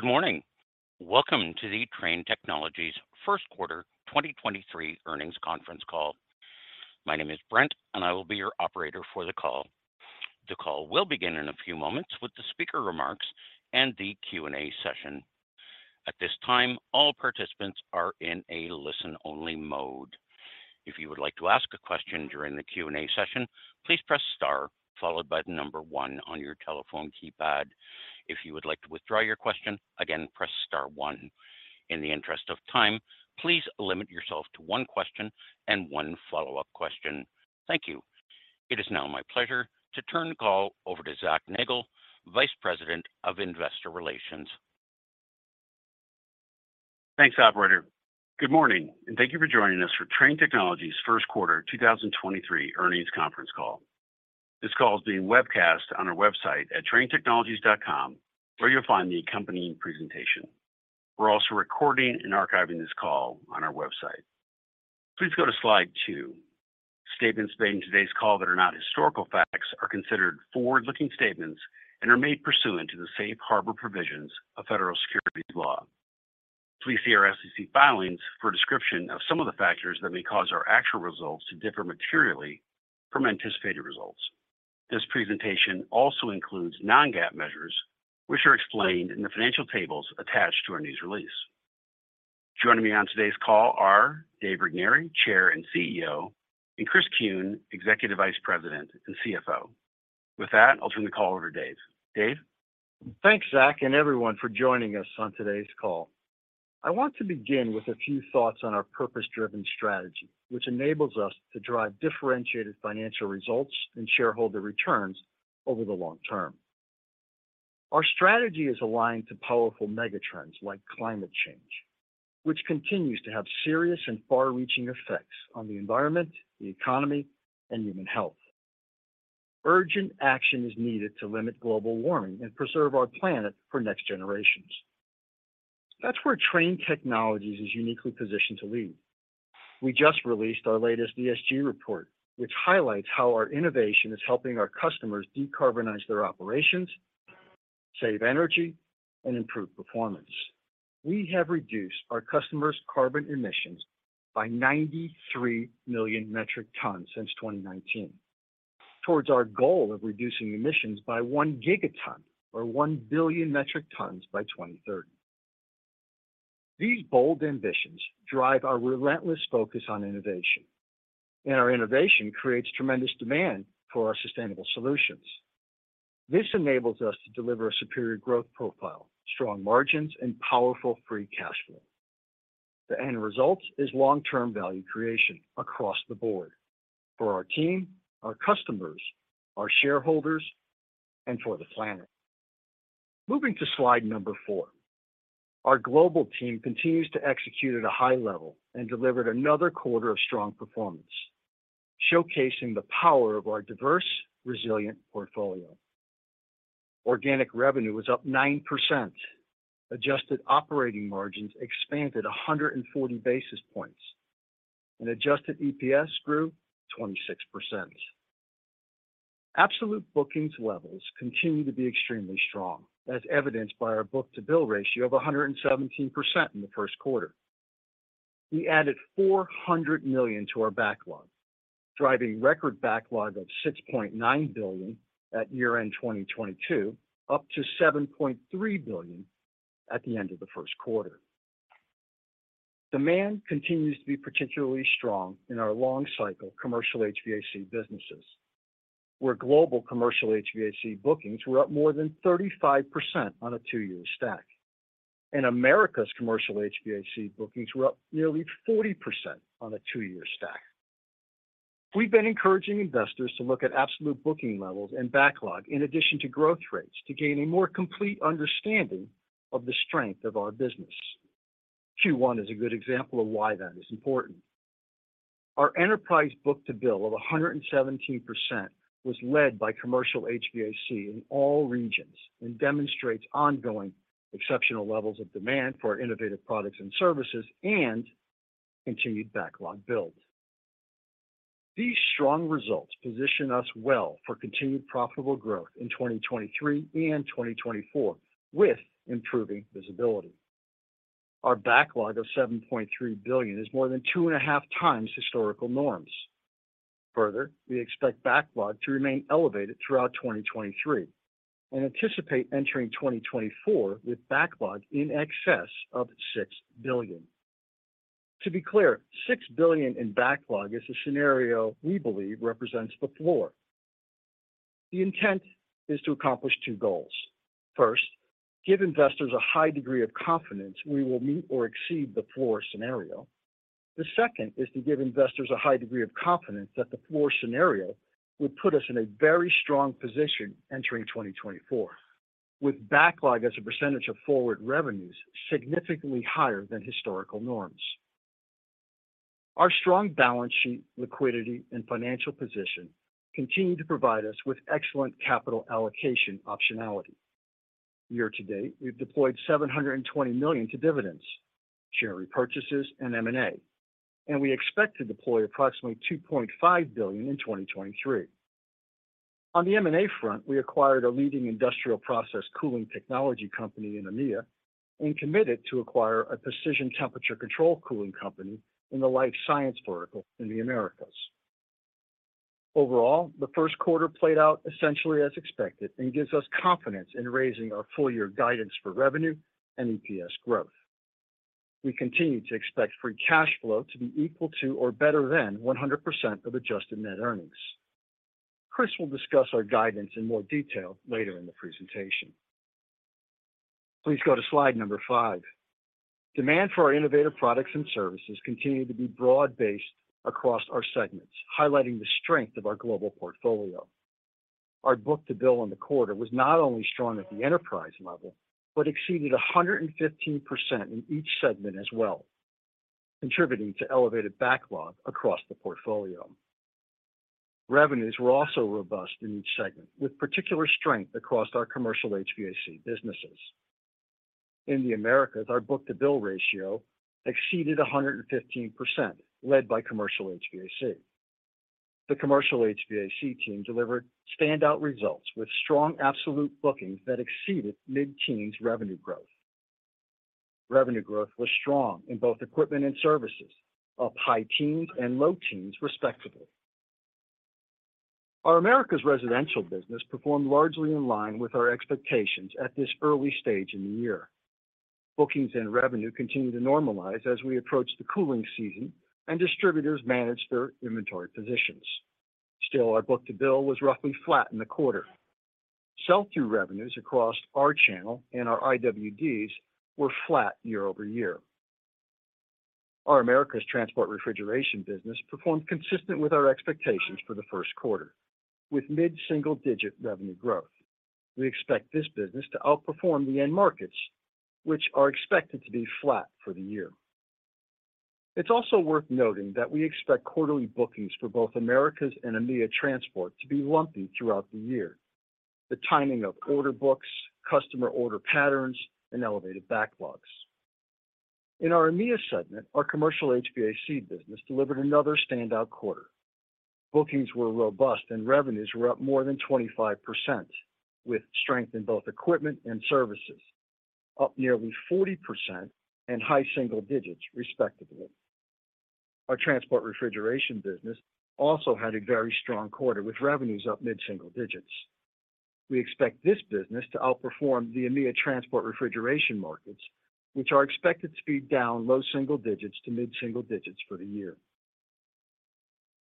Good morning. Welcome to the Trane Technologies first quarter 2023 earnings conference call. My name is Brent, and I will be your operator for the call. The call will begin in a few moments with the speaker remarks and the Q&A session. At this time, all participants are in a listen-only mode. If you would like to ask a question during the Q&A session, please press star followed by the one on your telephone keypad. If you would like to withdraw your question, again, press star one. In the interest of time, please limit yourself to one question and one follow-up question. Thank you. It is now my pleasure to turn the call over to Zac Nagle, Vice President of Investor Relations. Thanks, operator. Good morning, and thank you for joining us for Trane Technologies first quarter 2023 earnings conference call. This call is being webcast on our website at tranetechnologies.com, where you'll find the accompanying presentation. We're also recording and archiving this call on our website. Please go to slide two. Statements made in today's call that are not historical facts are considered forward-looking statements and are made pursuant to the safe harbor provisions of federal securities law. Please see our SEC filings for a description of some of the factors that may cause our actual results to differ materially from anticipated results. This presentation also includes non-GAAP measures, which are explained in the financial tables attached to our news release. Joining me on today's call are Dave Regnery, Chair and CEO, and Chris Kuehn, Executive Vice President and CFO. With that, I'll turn the call over to Dave. Dave? Thanks, Zac, and everyone for joining us on today's call. I want to begin with a few thoughts on our purpose-driven strategy, which enables us to drive differentiated financial results and shareholder returns over the long term. Our strategy is aligned to powerful megatrends like climate change, which continues to have serious and far-reaching effects on the environment, the economy, and human health. Urgent action is needed to limit global warming and preserve our planet for next generations. That's where Trane Technologies is uniquely positioned to lead. We just released our latest ESG report, which highlights how our innovation is helping our customers decarbonize their operations, save energy, and improve performance. We have reduced our customers' carbon emissions by 93 million metric tons since 2019 towards our goal of reducing emissions by 1 gigaton or 1 billion metric tons by 2030. These bold ambitions drive our relentless focus on innovation, our innovation creates tremendous demand for our sustainable solutions. This enables us to deliver a superior growth profile, strong margins, and powerful free cash flow. The end result is long-term value creation across the board for our team, our customers, our shareholders, and for the planet. Moving to slide number four. Our global team continues to execute at a high level and delivered another quarter of strong performance, showcasing the power of our diverse, resilient portfolio. Organic revenue was up 9%. Adjusted operating margins expanded 140 basis points, adjusted EPS grew 26%. Absolute bookings levels continue to be extremely strong, as evidenced by our book-to-bill ratio of 117% in the first quarter. We added $400 million to our backlog, driving record backlog of $6.9 billion at year-end 2022, up to $7.3 billion at the end of the first quarter. Demand continues to be particularly strong in our long cycle commercial HVAC businesses, where global commercial HVAC bookings were up more than 35% on a two-year stack. In Americas, commercial HVAC bookings were up nearly 40% on a two-year stack. We've been encouraging investors to look at absolute booking levels and backlog in addition to growth rates to gain a more complete understanding of the strength of our business. Q1 is a good example of why that is important. Our enterprise book-to-bill of 117% was led by commercial HVAC in all regions and demonstrates ongoing exceptional levels of demand for our innovative products and services and continued backlog builds. These strong results position us well for continued profitable growth in 2023 and 2024 with improving visibility. Our backlog of $7.3 billion is more than 2.5x historical norms. We expect backlog to remain elevated throughout 2023 and anticipate entering 2024 with backlog in excess of $6 billion. To be clear, $6 billion in backlog is a scenario we believe represents the floor. The intent is to accomplish two goals. First, give investors a high degree of confidence we will meet or exceed the floor scenario. The second is to give investors a high degree of confidence that the floor scenario would put us in a very strong position entering 2024, with backlog as a % of forward revenues significantly higher than historical norms. Our strong balance sheet liquidity and financial position continue to provide us with excellent capital allocation optionality. Year to date, we've deployed $720 million to dividends, share repurchases, and M&A. We expect to deploy approximately $2.5 billion in 2023. On the M&A front, we acquired a leading industrial process cooling technology company in EMEA, and committed to acquire a precision temperature control cooling company in the life science vertical in the Americas. Overall, the first quarter played out essentially as expected and gives us confidence in raising our full year guidance for revenue and EPS growth. We continue to expect free cash flow to be equal to or better than 100% of adjusted net earnings. Chris will discuss our guidance in more detail later in the presentation. Please go to slide number five. Demand for our innovative products and services continued to be broad-based across our segments, highlighting the strength of our global portfolio. Our book-to-bill in the quarter was not only strong at the enterprise level but exceeded 115% in each segment as well, contributing to elevated backlog across the portfolio. Revenues were also robust in each segment, with particular strength across our commercial HVAC businesses. In the Americas, our book-to-bill ratio exceeded 115%, led by commercial HVAC. The commercial HVAC team delivered standout results with strong absolute bookings that exceeded mid-teens revenue growth. Revenue growth was strong in both equipment and services, up high teens and low teens, respectively. Our Americas residential business performed largely in line with our expectations at this early stage in the year. Bookings and revenue continue to normalize as we approach the cooling season and distributors manage their inventory positions. Still, our book-to-bill was roughly flat in the quarter. Sell-through revenues across our channel and our IWDs were flat year-over-year. Our Americas Transport Refrigeration business performed consistent with our expectations for the first quarter, with mid-single-digit revenue growth. We expect this business to outperform the end markets, which are expected to be flat for the year. It's also worth noting that we expect quarterly bookings for both Americas and EMEA transport to be lumpy throughout the year. The timing of order books, customer order patterns, and elevated backlogs. In our EMEA segment, our commercial HVAC business delivered another standout quarter. Bookings were robust and revenues were up more than 25%, with strength in both equipment and services, up nearly 40% and high single digits respectively. Our transport refrigeration business also had a very strong quarter, with revenues up mid-single digits. We expect this business to outperform the EMEA transport refrigeration markets, which are expected to be down low single digits to mid-single digits for the year.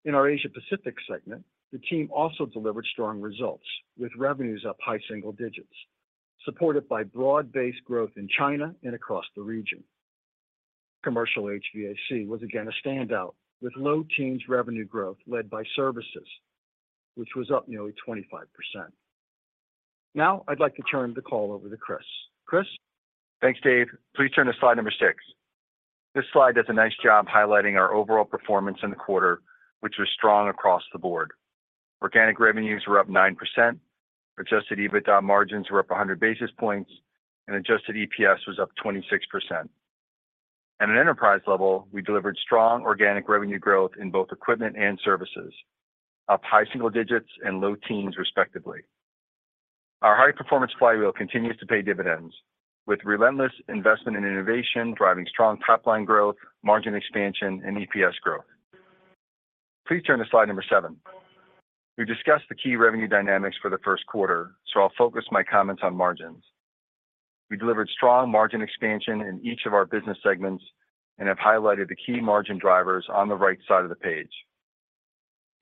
In our Asia-Pacific segment, the team also delivered strong results, with revenues up high single digits, supported by broad-based growth in China and across the region. Commercial HVAC was again a standout, with low teens revenue growth led by services, which was up nearly 25%. I'd like to turn the call over to Chris. Chris? Thanks, Dave. Please turn to slide number six. This slide does a nice job highlighting our overall performance in the quarter, which was strong across the board. Organic revenues were up 9%, adjusted EBITDA margins were up 100 basis points, and adjusted EPS was up 26%. At an enterprise level, we delivered strong organic revenue growth in both equipment and services, up high single digits and low teens respectively. Our high-performance flywheel continues to pay dividends, with relentless investment in innovation driving strong top-line growth, margin expansion, and EPS growth. Please turn to slide number seven. We discussed the key revenue dynamics for the first quarter, so I'll focus my comments on margins. We delivered strong margin expansion in each of our business segments and have highlighted the key margin drivers on the right side of the page.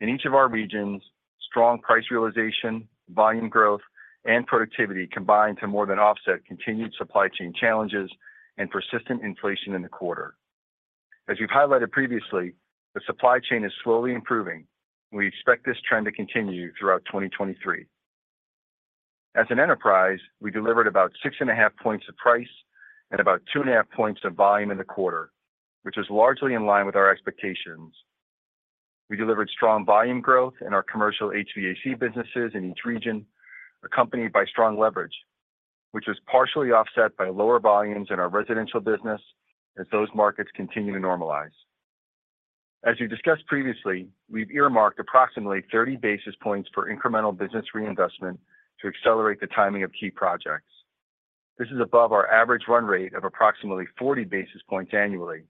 In each of our regions, strong price realization, volume growth, and productivity combined to more than offset continued supply chain challenges and persistent inflation in the quarter. As we've highlighted previously, the supply chain is slowly improving. We expect this trend to continue throughout 2023. As an enterprise, we delivered about 6.5 points of price and about 2.5 points of volume in the quarter, which is largely in line with our expectations. We delivered strong volume growth in our commercial HVAC businesses in each region, accompanied by strong leverage, which was partially offset by lower volumes in our residential business as those markets continue to normalize. As we discussed previously, we've earmarked approximately 30 basis points for incremental business reinvestment to accelerate the timing of key projects. This is above our average run rate of approximately 40 basis points annually,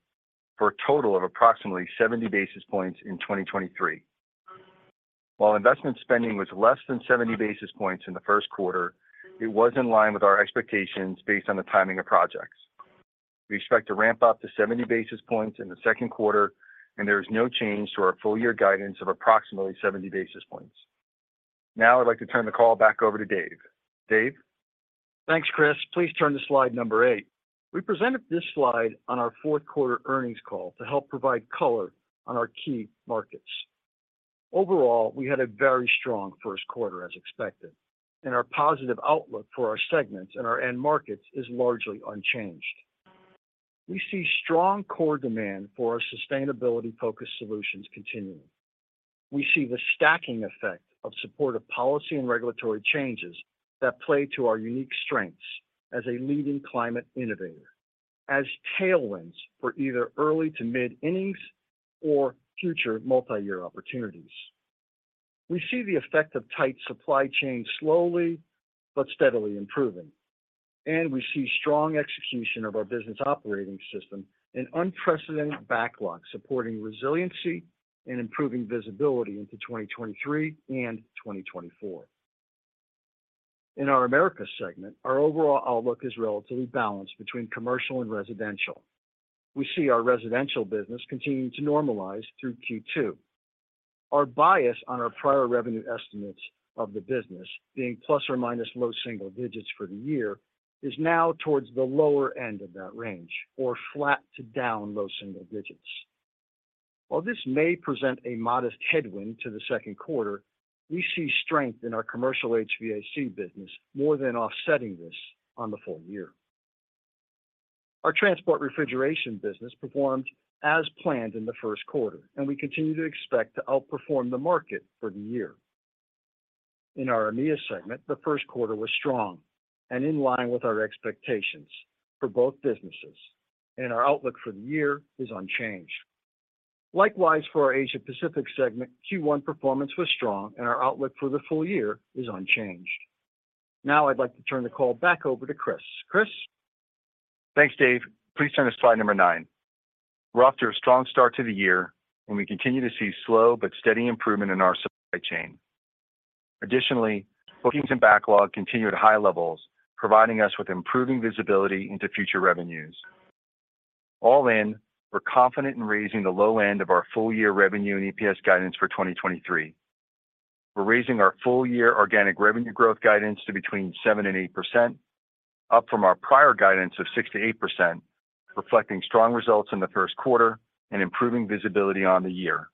for a total of approximately 70 basis points in 2023. While investment spending was less than 70 basis points in the first quarter, it was in line with our expectations based on the timing of projects. We expect to ramp up to 70 basis points in the second quarter. There is no change to our full year guidance of approximately 70 basis points. Now I'd like to turn the call back over to Dave. Dave? Thanks, Chris. Please turn to slide number eight. We presented this slide on our fourth quarter earnings call to help provide color on our key markets. Overall, we had a very strong first quarter, as expected, and our positive outlook for our segments and our end markets is largely unchanged. We see strong core demand for our sustainability-focused solutions continuing. We see the stacking effect of supportive policy and regulatory changes that play to our unique strengths as a leading climate innovator. As tailwinds for either early to mid innings or future multi-year opportunities. We see the effect of tight supply chain slowly but steadily improving, and we see strong execution of our business operating system and unprecedented backlog supporting resiliency and improving visibility into 2023 and 2024. In our Americas segment, our overall outlook is relatively balanced between commercial and residential. We see our residential business continuing to normalize through Q2. Our bias on our prior revenue estimates of the business being plus or minus low single digits for the year is now towards the lower end of that range or flat to down low single digits. While this may present a modest headwind to the second quarter, we see strength in our commercial HVAC business more than offsetting this on the full year. Our transport refrigeration business performed as planned in the 1st quarter. We continue to expect to outperform the market for the year. In our EMEA segment, the 1st quarter was strong and in line with our expectations for both businesses. Our outlook for the year is unchanged. Likewise, for our Asia Pacific segment, Q1 performance was strong. Our outlook for the full year is unchanged. Now I'd like to turn the call back over to Chris. Chris? Thanks, Dave. Please turn to slide number nine. We're off to a strong start to the year, we continue to see slow but steady improvement in our supply chain. Additionally, bookings and backlog continue at high levels, providing us with improving visibility into future revenues. All in, we're confident in raising the low end of our full year revenue and EPS guidance for 2023. We're raising our full year organic revenue growth guidance to between 7%-8%, up from our prior guidance of 6%-8%, reflecting strong results in the first quarter and improving visibility on the year.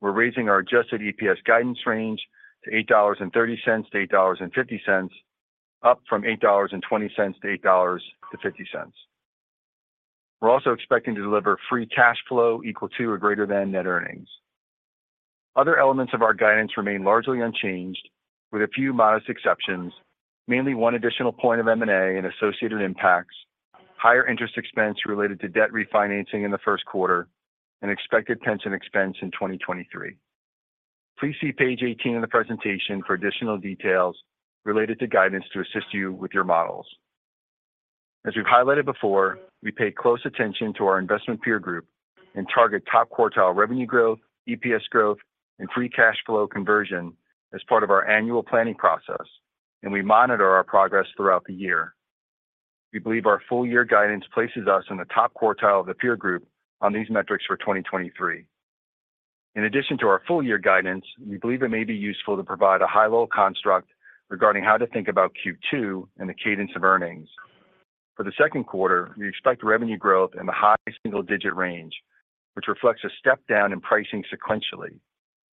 We're raising our adjusted EPS guidance range to $8.30-$8.50, up from $8.20-$8.50. We're also expecting to deliver free cash flow equal to or greater than net earnings. Other elements of our guidance remain largely unchanged with a few modest exceptions, mainly 1 additional point of M&A and associated impacts, higher interest expense related to debt refinancing in the first quarter, and expected pension expense in 2023. Please see page 18 of the presentation for additional details related to guidance to assist you with your models. As we've highlighted before, we pay close attention to our investment peer group and target top quartile revenue growth, EPS growth, and free cash flow conversion as part of our annual planning process. We monitor our progress throughout the year. We believe our full year guidance places us in the top quartile of the peer group on these metrics for 2023. In addition to our full year guidance, we believe it may be useful to provide a high-level construct regarding how to think about Q2 and the cadence of earnings. For the second quarter, we expect revenue growth in the high single-digit range, which reflects a step down in pricing sequentially,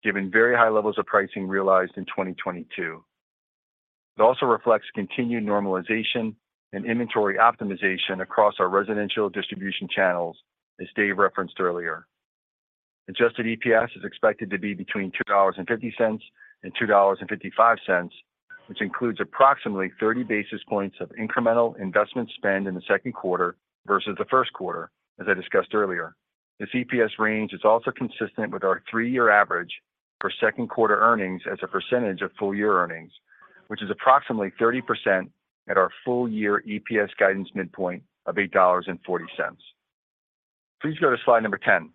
given very high levels of pricing realized in 2022. It also reflects continued normalization and inventory optimization across our residential distribution channels, as Dave referenced earlier. Adjusted EPS is expected to be between $2.50 and $2.55, which includes approximately 30 basis points of incremental investment spend in the second quarter versus the first quarter, as I discussed earlier. This EPS range is also consistent with our three-year average for second quarter earnings as a percentage of full-year earnings, which is approximately 30% at our full-year EPS guidance midpoint of $8.40. Please go to slide number 10.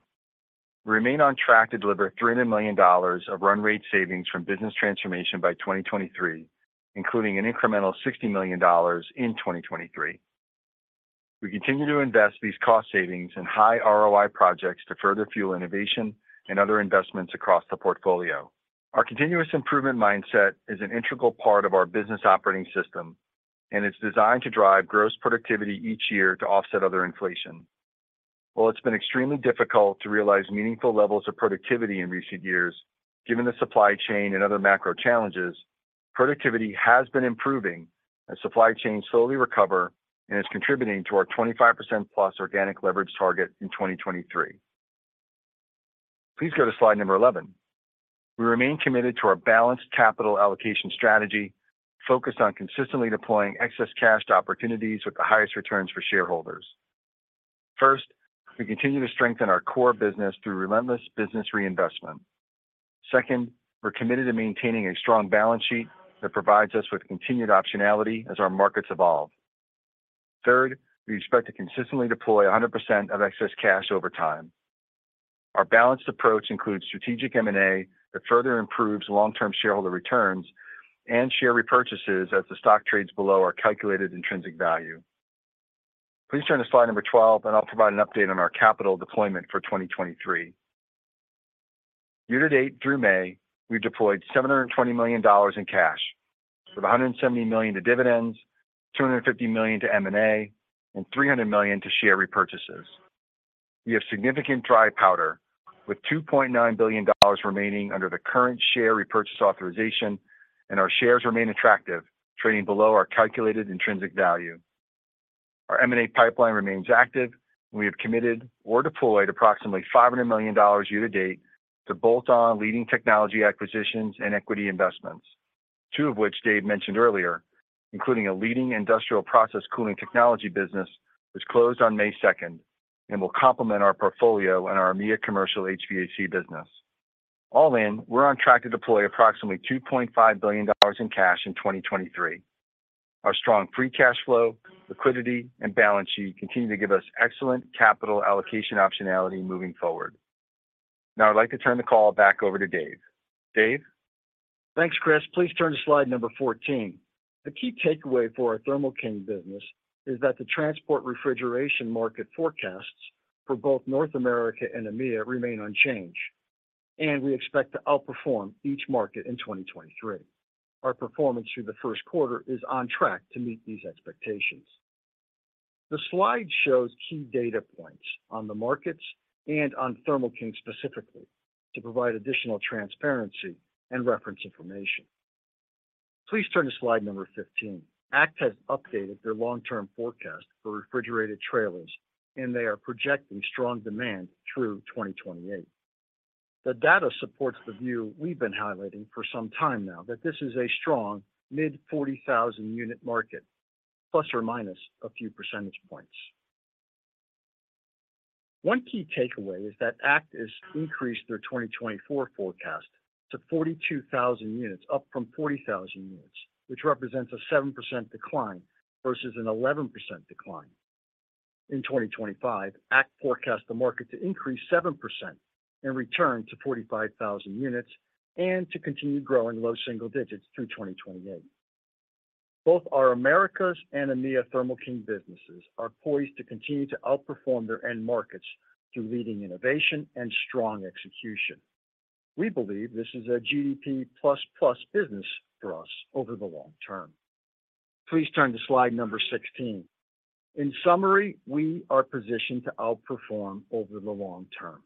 We remain on track to deliver $300 million of run rate savings from business transformation by 2023, including an incremental $60 million in 2023. We continue to invest these cost savings in high ROI projects to further fuel innovation and other investments across the portfolio. Our continuous improvement mindset is an integral part of our business operating system, and it's designed to drive gross productivity each year to offset other inflation. While it's been extremely difficult to realize meaningful levels of productivity in recent years, given the supply chain and other macro challenges, productivity has been improving as supply chains slowly recover and is contributing to our 25%+ organic leverage target in 2023. Please go to slide number 11. We remain committed to our balanced capital allocation strategy focused on consistently deploying excess cash to opportunities with the highest returns for shareholders. First, we continue to strengthen our core business through relentless business reinvestment. Second, we're committed to maintaining a strong balance sheet that provides us with continued optionality as our markets evolve. Third, we expect to consistently deploy 100% of excess cash over time. Our balanced approach includes strategic M&A that further improves long-term shareholder returns and share repurchases as the stock trades below our calculated intrinsic value. Please turn to slide number 12, and I'll provide an update on our capital deployment for 2023. Year to date through May, we deployed $720 million in cash, with $170 million to dividends, $250 million to M&A, and $300 million to share repurchases. We have significant dry powder with $2.9 billion remaining under the current share repurchase authorization, and our shares remain attractive, trading below our calculated intrinsic value. Our M&A pipeline remains active. We have committed or deployed approximately $500 million year to date to bolt-on leading technology acquisitions and equity investments. Two of which Dave mentioned earlier, including a leading industrial process cooling technology business, which closed on May 2nd, and will complement our portfolio and our EMEA commercial HVAC business. All in, we're on track to deploy approximately $2.5 billion in cash in 2023. Our strong free cash flow, liquidity, and balance sheet continue to give us excellent capital allocation optionality moving forward. I'd like to turn the call back over to Dave. Dave? Thanks, Chris. Please turn to slide number 14. The key takeaway for our Thermo King business is that the transport refrigeration market forecasts for both North America and EMEA remain unchanged, and we expect to outperform each market in 2023. Our performance through the first quarter is on track to meet these expectations. The slide shows key data points on the markets and on Thermo King specifically to provide additional transparency and reference information. Please turn to slide number 15. ACT has updated their long-term forecast for refrigerated trailers, and they are projecting strong demand through 2028. The data supports the view we've been highlighting for some time now that this is a strong mid 40,000 unit market, plus or minus a few percentage points. One key takeaway is that ACT has increased their 2024 forecast to 42,000 units, up from 40,000 units, which represents a 7% decline versus an 11% decline. In 2025, ACT forecasts the market to increase 7% and return to 45,000 units, and to continue growing low single digits through 2028. Both our Americas and EMEA Thermo King businesses are poised to continue to outperform their end markets through leading innovation and strong execution. We believe this is a GDP plus plus business for us over the long term. Please turn to slide number 16. In summary, we are positioned to outperform over the long term.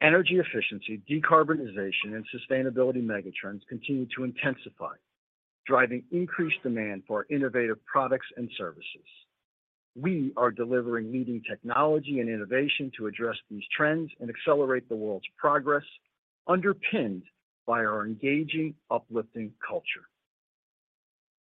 Energy efficiency, decarbonization, and sustainability megatrends continue to intensify, driving increased demand for innovative products and services. We are delivering leading technology and innovation to address these trends and accelerate the world's progress, underpinned by our engaging, uplifting culture.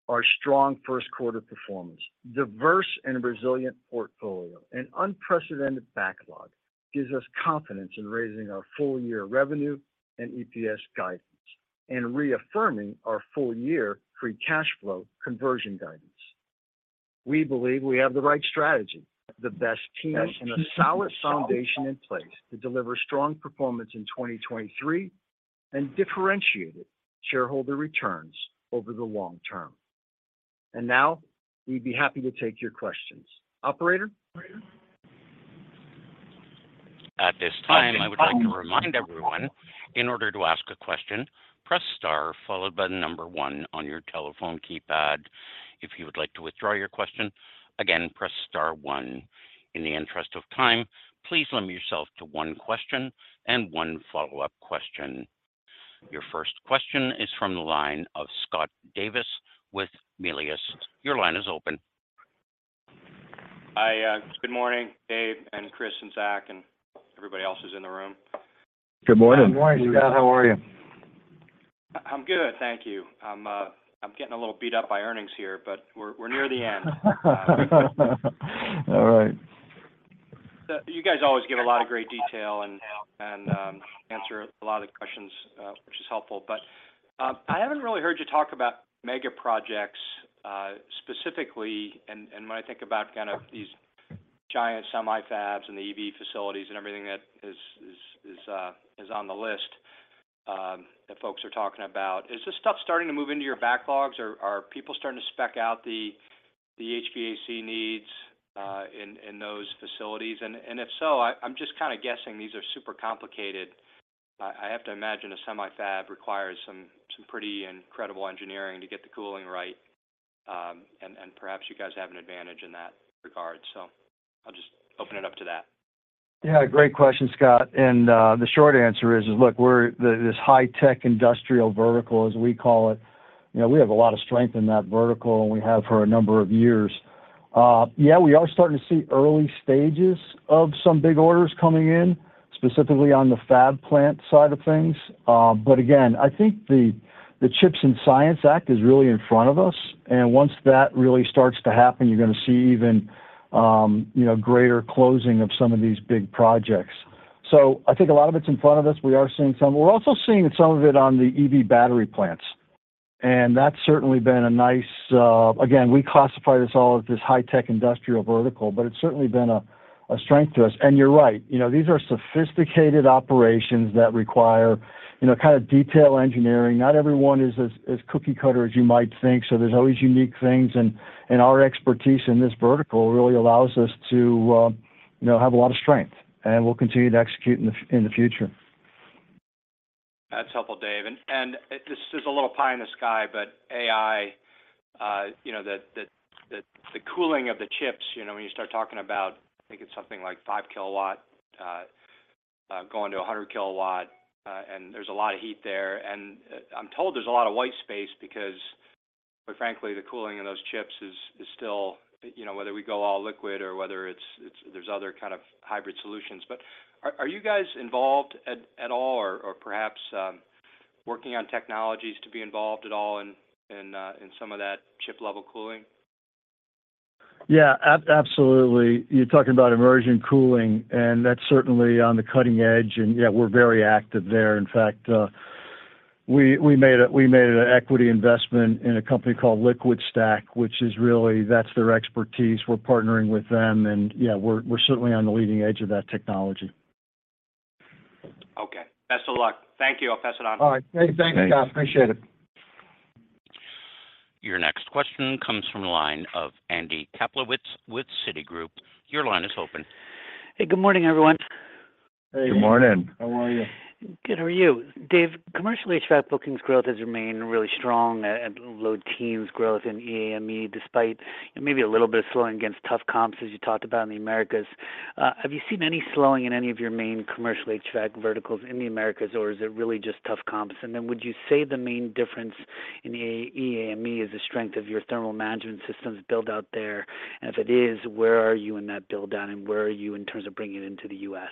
Our strong first quarter performance, diverse and resilient portfolio, and unprecedented backlog gives us confidence in raising our full year revenue and EPS guidance, and reaffirming our full year free cash flow conversion guidance. We believe we have the right strategy, the best team, and a solid foundation in place to deliver strong performance in 2023, and differentiated shareholder returns over the long term. Now, we'd be happy to take your questions. Operator? At this time, I would like to remind everyone, in order to ask a question, press star followed by the number one on your telephone keypad. If you would like to withdraw your question, again, press star one. In the interest of time, please limit yourself to one question and one follow-up question. Your first question is from the line of Scott Davis with Melius. Your line is open. Hi. good morning, Dave and Chris and Zac, and everybody else who's in the room. Good morning. Good morning, Scott. How are you? I'm good, thank you. I'm getting a little beat up by earnings here, but we're near the end. All right. You guys always give a lot of great detail and answer a lot of questions, which is helpful. I haven't really heard you talk about mega projects specifically. When I think about kind of these giant semi fabs and the EV facilities and everything that is on the list, that folks are talking about, is this stuff starting to move into your backlogs? Are people starting to spec out the HVAC needs in those facilities? If so, I'm just kinda guessing these are super complicated. I have to imagine a semi fab requires some pretty incredible engineering to get the cooling right, and perhaps you guys have an advantage in that regard. I'll just open it up to that. Yeah, great question, Scott. The short answer is, look, we're this high-tech industrial vertical, as we call it, you know, we have a lot of strength in that vertical, and we have for a number of years. Yeah, we are starting to see early stages of some big orders coming in, specifically on the fab plant side of things. Again, I think the CHIPS and Science Act is really in front of us, and once that really starts to happen, you're gonna see even, you know, greater closing of some of these big projects. I think a lot of it's in front of us. We are seeing some. We're also seeing some of it on the EV battery plants, and that's certainly been a nice... Again, we classify this all as this high-tech industrial vertical, but it's certainly been a strength to us. You're right. You know, these are sophisticated operations that require, you know, kind of detail engineering. Not everyone is as cookie cutter as you might think. There's always unique things, and our expertise in this vertical really allows us to, you know, have a lot of strength, and we'll continue to execute in the future. That's helpful, Dave. This is a little pie in the sky, but AI, you know, the cooling of the chips, you know, when you start talking about, I think it's something like 5 kW going to 100 kW, and there's a lot of heat there. I'm told there's a lot of white space because Frankly, the cooling of those chips is still, you know, whether we go all liquid or whether it's there's other kind of hybrid solutions. Are you guys involved at all or perhaps working on technologies to be involved at all in some of that CHIP-level cooling? Yeah. Absolutely. You're talking about immersion cooling, and that's certainly on the cutting edge and, yeah, we're very active there. In fact, we made an equity investment in a company called LiquidStack, which is really, that's their expertise. We're partnering with them and, yeah, we're certainly on the leading edge of that technology. Okay. Best of luck. Thank you. I'll pass it on. All right. Great. Thanks, Scott. Appreciate it. Your next question comes from the line of Andy Kaplowitz with Citigroup. Your line is open. Hey, good morning, everyone. Hey, Andy. Good morning. How are you? Good. How are you? Dave, commercial HVAC bookings growth has remained really strong at low teens growth in EMEA, despite maybe a little bit of slowing against tough comps, as you talked about in the Americas. Have you seen any slowing in any of your main commercial HVAC verticals in the Americas, or is it really just tough comps? Would you say the main difference in EMEA is the strength of your thermal management systems build out there? If it is, where are you in that build down, and where are you in terms of bringing it into the U.S.?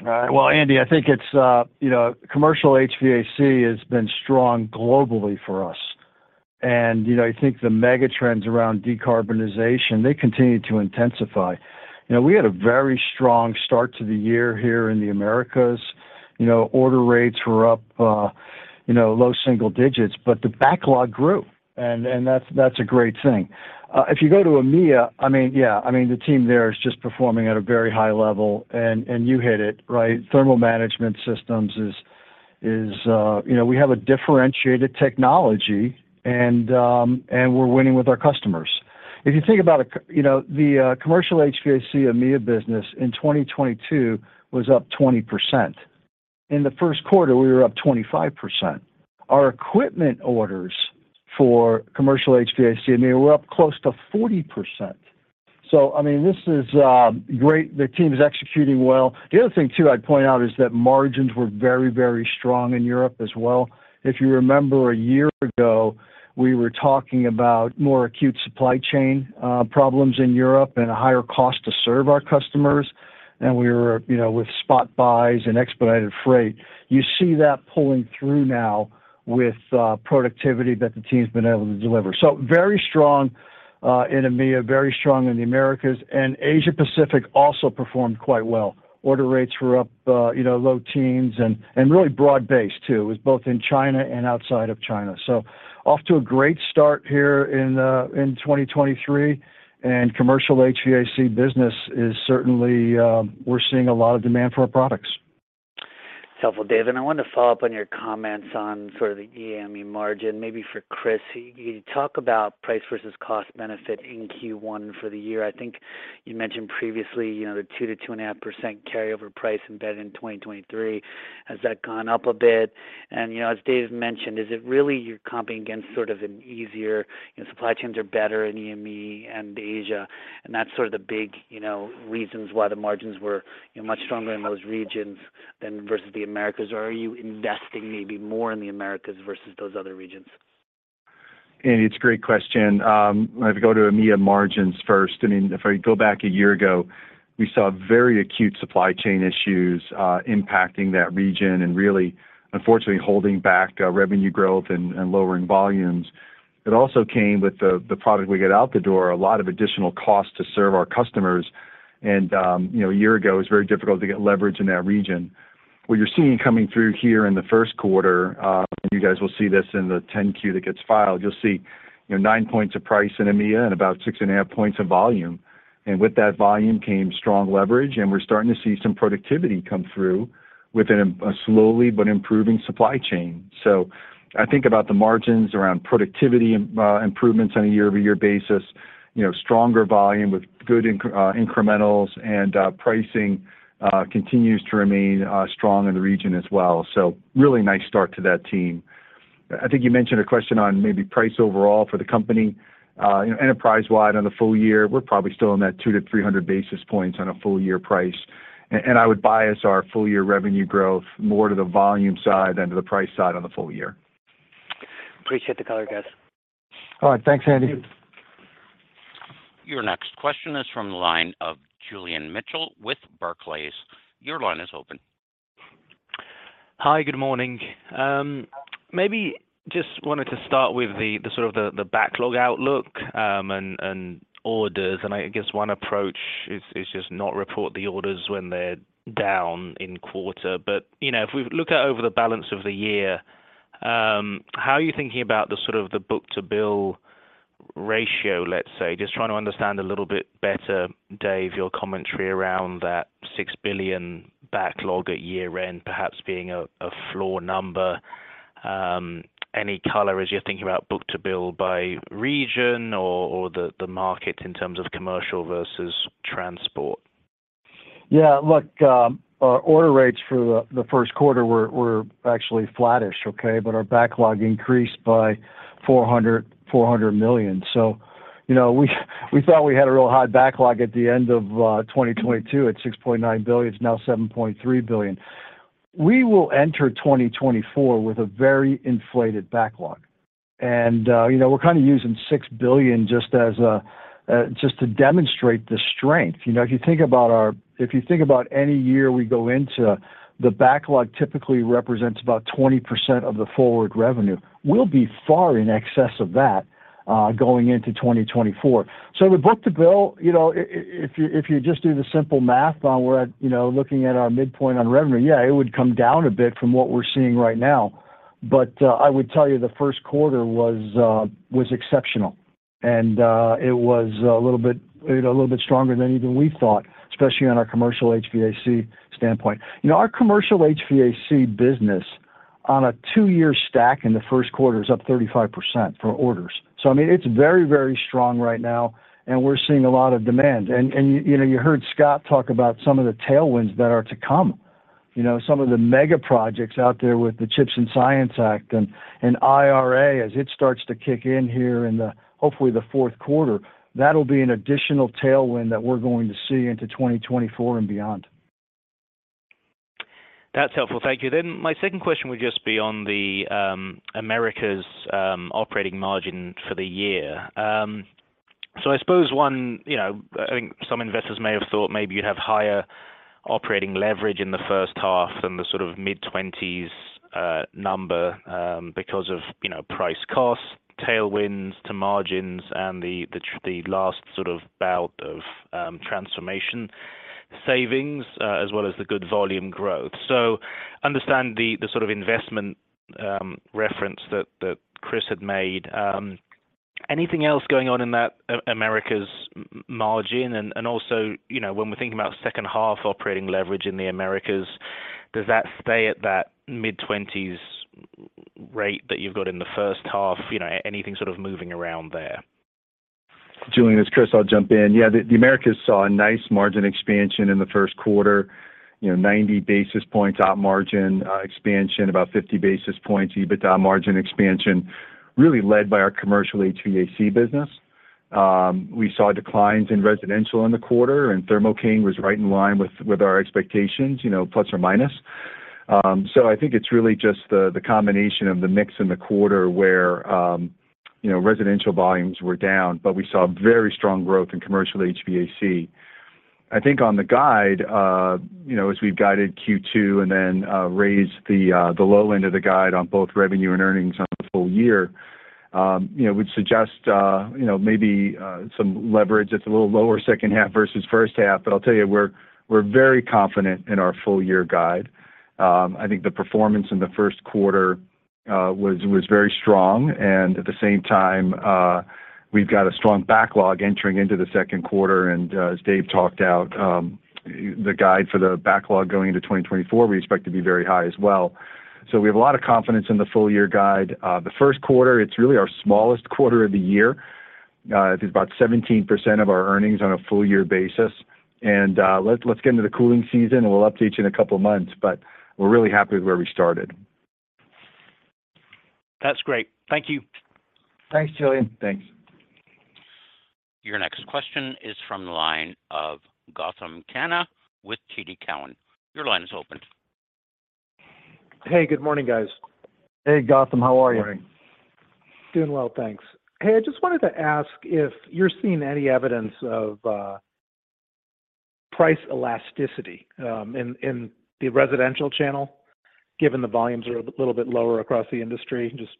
All right. Well, Andy, I think it's, you know, commercial HVAC has been strong globally for us. You know, I think the mega trends around decarbonization, they continue to intensify. You know, we had a very strong start to the year here in the Americas. You know, order rates were up, you know, low single digits, but the backlog grew, and that's a great thing. If you go to EMEA, I mean, yeah, I mean, the team there is just performing at a very high level, and you hit it, right? Thermal management systems is, you know, we have a differentiated technology and we're winning with our customers. If you think about it, you know, the commercial HVAC EMEA business in 2022 was up 20%. In the first quarter, we were up 25%. Our equipment orders for commercial HVAC EMEA were up close to 40%. I mean, this is great. The team is executing well. The other thing, too, I'd point out is that margins were very, very strong in Europe as well. If you remember a year ago, we were talking about more acute supply chain problems in Europe and a higher cost to serve our customers, and we were, you know, with spot buys and expedited freight. You see that pulling through now with productivity that the team's been able to deliver. Very strong in EMEA, very strong in the Americas. Asia-Pacific also performed quite well. Order rates were up, you know, low teens and really broad-based too. It was both in China and outside of China. Off to a great start here in 2023, and commercial HVAC business is certainly, we're seeing a lot of demand for our products. Helpful, Dave. I wanted to follow up on your comments on sort of the EMEA margin, maybe for Chris. Can you talk about price versus cost benefit in Q1 for the year? I think you mentioned previously, you know, the 2%-2.5% carryover price embedded in 2023. Has that gone up a bit? As Dave mentioned, is it really you're comping against sort of an easier, you know, supply chains are better in EMEA and Asia, and that's sort of the big, you know, reasons why the margins were, you know, much stronger in those regions than versus the Americas? Or are you investing maybe more in the Americas versus those other regions? Andy, it's a great question. I mean, if you go to EMEA margins first, I mean, if I go back a year ago, we saw very acute supply chain issues impacting that region and really unfortunately holding back revenue growth and lowering volumes. It also came with the product we get out the door, a lot of additional cost to serve our customers. You know, a year ago, it was very difficult to get leverage in that region. What you're seeing coming through here in the first quarter, you guys will see this in the 10-Q that gets filed. You'll see, you know, nine points of price in EMEA and about 6.5 points of volume. With that volume came strong leverage, and we're starting to see some productivity come through within a slowly but improving supply chain. I think about the margins around productivity improvements on a year-over-year basis, you know, stronger volume with good incrementals and pricing continues to remain strong in the region as well. Really nice start to that team. I think you mentioned a question on maybe price overall for the company. You know, enterprise-wide on the full year, we're probably still in that 200-300 basis points on a full year price. I would bias our full year revenue growth more to the volume side than to the price side on the full year. Appreciate the color, guys. All right. Thanks, Andy. Your next question is from the line of Julian Mitchell with Barclays. Your line is open. Hi. Good morning. Maybe just wanted to start with the sort of the backlog outlook and orders. I guess one approach is just not report the orders when they're down in quarter. You know, if we look at over the balance of the year, how are you thinking about the sort of the book-to-bill ratio, let's say? Just trying to understand a little bit better, Dave, your commentary around that $6 billion backlog at year-end perhaps being a floor number. Any color as you're thinking about book-to-bill by region or the market in terms of commercial versus transport? Yeah. Look, our order rates for the first quarter were actually flattish, okay? Our backlog increased by $400 million. You know, we thought we had a real high backlog at the end of 2022 at $6.9 billion. It's now $7.3 billion. We will enter 2024 with a very inflated backlog. You know, we're kinda using $6 billion just as a just to demonstrate the strength. You know, if you think about any year we go into, the backlog typically represents about 20% of the forward revenue. We'll be far in excess of that going into 2024. The book-to-bill, you know, if you just do the simple math on where, you know, looking at our midpoint on revenue, yeah, it would come down a bit from what we're seeing right now. I would tell you the first quarter was exceptional, and it was a little bit, you know, a little bit stronger than even we thought, especially on our commercial HVAC standpoint. You know, our commercial HVAC business on a two-year stack in the first quarter is up 35% for orders. I mean, it's very strong right now, and we're seeing a lot of demand. You know, you heard Scott talk about some of the tailwinds that are to come, you know, some of the mega projects out there with the CHIPS and Science Act and IRA as it starts to kick in here in the, hopefully the fourth quarter. That'll be an additional tailwind that we're going to see into 2024 and beyond. That's helpful. Thank you. My second question would just be on the Americas operating margin for the year. I suppose, one, you know, I think some investors may have thought maybe you'd have higher operating leverage in the first half than the sort of mid-20s number, because of, you know, price costs, tailwinds to margins and the last sort of bout of transformation savings, as well as the good volume growth. Understand the sort of investment reference that Chris had made. Anything else going on in that Americas margin? Also, you know, when we're thinking about second half operating leverage in the Americas, does that stay at that mid-20s rate that you've got in the first half? You know, anything sort of moving around there? Julian, it's Chris. I'll jump in. Yeah, the Americas saw a nice margin expansion in the first quarter. You know, 90 basis points op margin expansion, about 50 basis points EBITDA margin expansion, really led by our commercial HVAC business. We saw declines in residential in the quarter, Thermo King was right in line with our expectations, you know, ±. I think it's really just the combination of the mix in the quarter where, you know, residential volumes were down, but we saw very strong growth in commercial HVAC. I think on the guide, you know, as we've guided Q2 and then raised the low end of the guide on both revenue and earnings on the full year, you know, we'd suggest, you know, maybe some leverage that's a little lower second half versus first half. I'll tell you, we're very confident in our full year guide. I think the performance in the first quarter was very strong, and at the same time, we've got a strong backlog entering into the second quarter. As Dave talked out, the guide for the backlog going into 2024 we expect to be very high as well. We have a lot of confidence in the full year guide. The first quarter, it's really our smallest quarter of the year. It is about 17% of our earnings on a full year basis. Let's get into the cooling season, and we'll update you in a couple of months, but we're really happy with where we started. That's great. Thank you. Thanks, Julian. Thanks. Your next question is from the line of Gautam Khanna with TD Cowen. Your line is open. Hey, good morning, guys. Hey, Gautam. How are you? Morning. Doing well, thanks. Hey, I just wanted to ask if you're seeing any evidence of price elasticity in the residential channel, given the volumes are a little bit lower across the industry. Just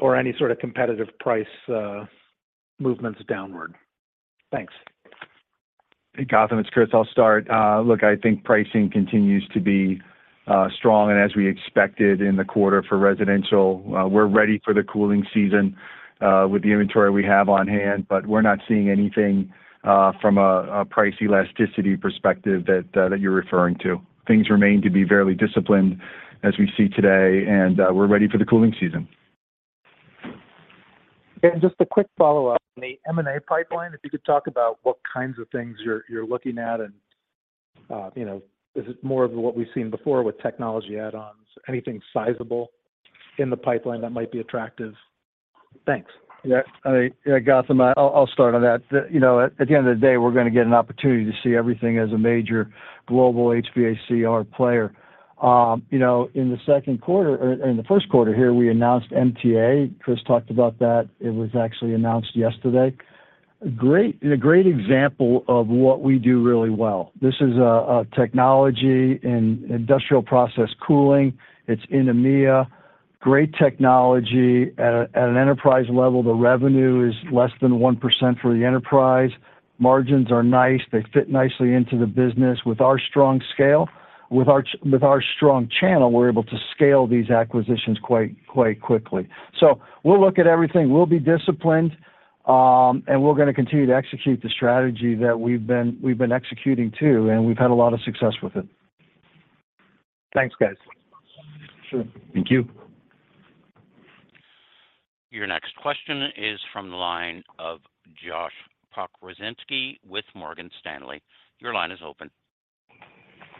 or any sort of competitive price movements downward? Thanks. Hey, Gautam, it's Chris. I'll start. look, I think pricing continues to be strong, and as we expected in the quarter for residential. we're ready for the cooling season, with the inventory we have on hand, but we're not seeing anything, from a price elasticity perspective that you're referring to. Things remain to be fairly disciplined as we see today, and, we're ready for the cooling season. Just a quick follow-up on the M&A pipeline, if you could talk about what kinds of things you're looking at, and, you know, is it more of what we've seen before with technology add-ons? Anything sizable in the pipeline that might be attractive? Thanks. Yeah. I mean, yeah, Gautam, I'll start on that. You know, at the end of the day, we're gonna get an opportunity to see everything as a major global HVAC player. You know, Or in the first quarter here, we announced MTA. Chris talked about that. It was actually announced yesterday. A great example of what we do really well. This is a technology in industrial process cooling. It's in EMEA. Great technology. At a, at an enterprise level, the revenue is less than 1% for the enterprise. Margins are nice. They fit nicely into the business. With our strong scale, with our strong channel, we're able to scale these acquisitions quite quickly. We'll look at everything. We'll be disciplined. We're gonna continue to execute the strategy that we've been executing to, and we've had a lot of success with it. Thanks, guys. Sure. Thank you. Your next question is from the line of Josh Pokrzywinski with Morgan Stanley. Your line is open.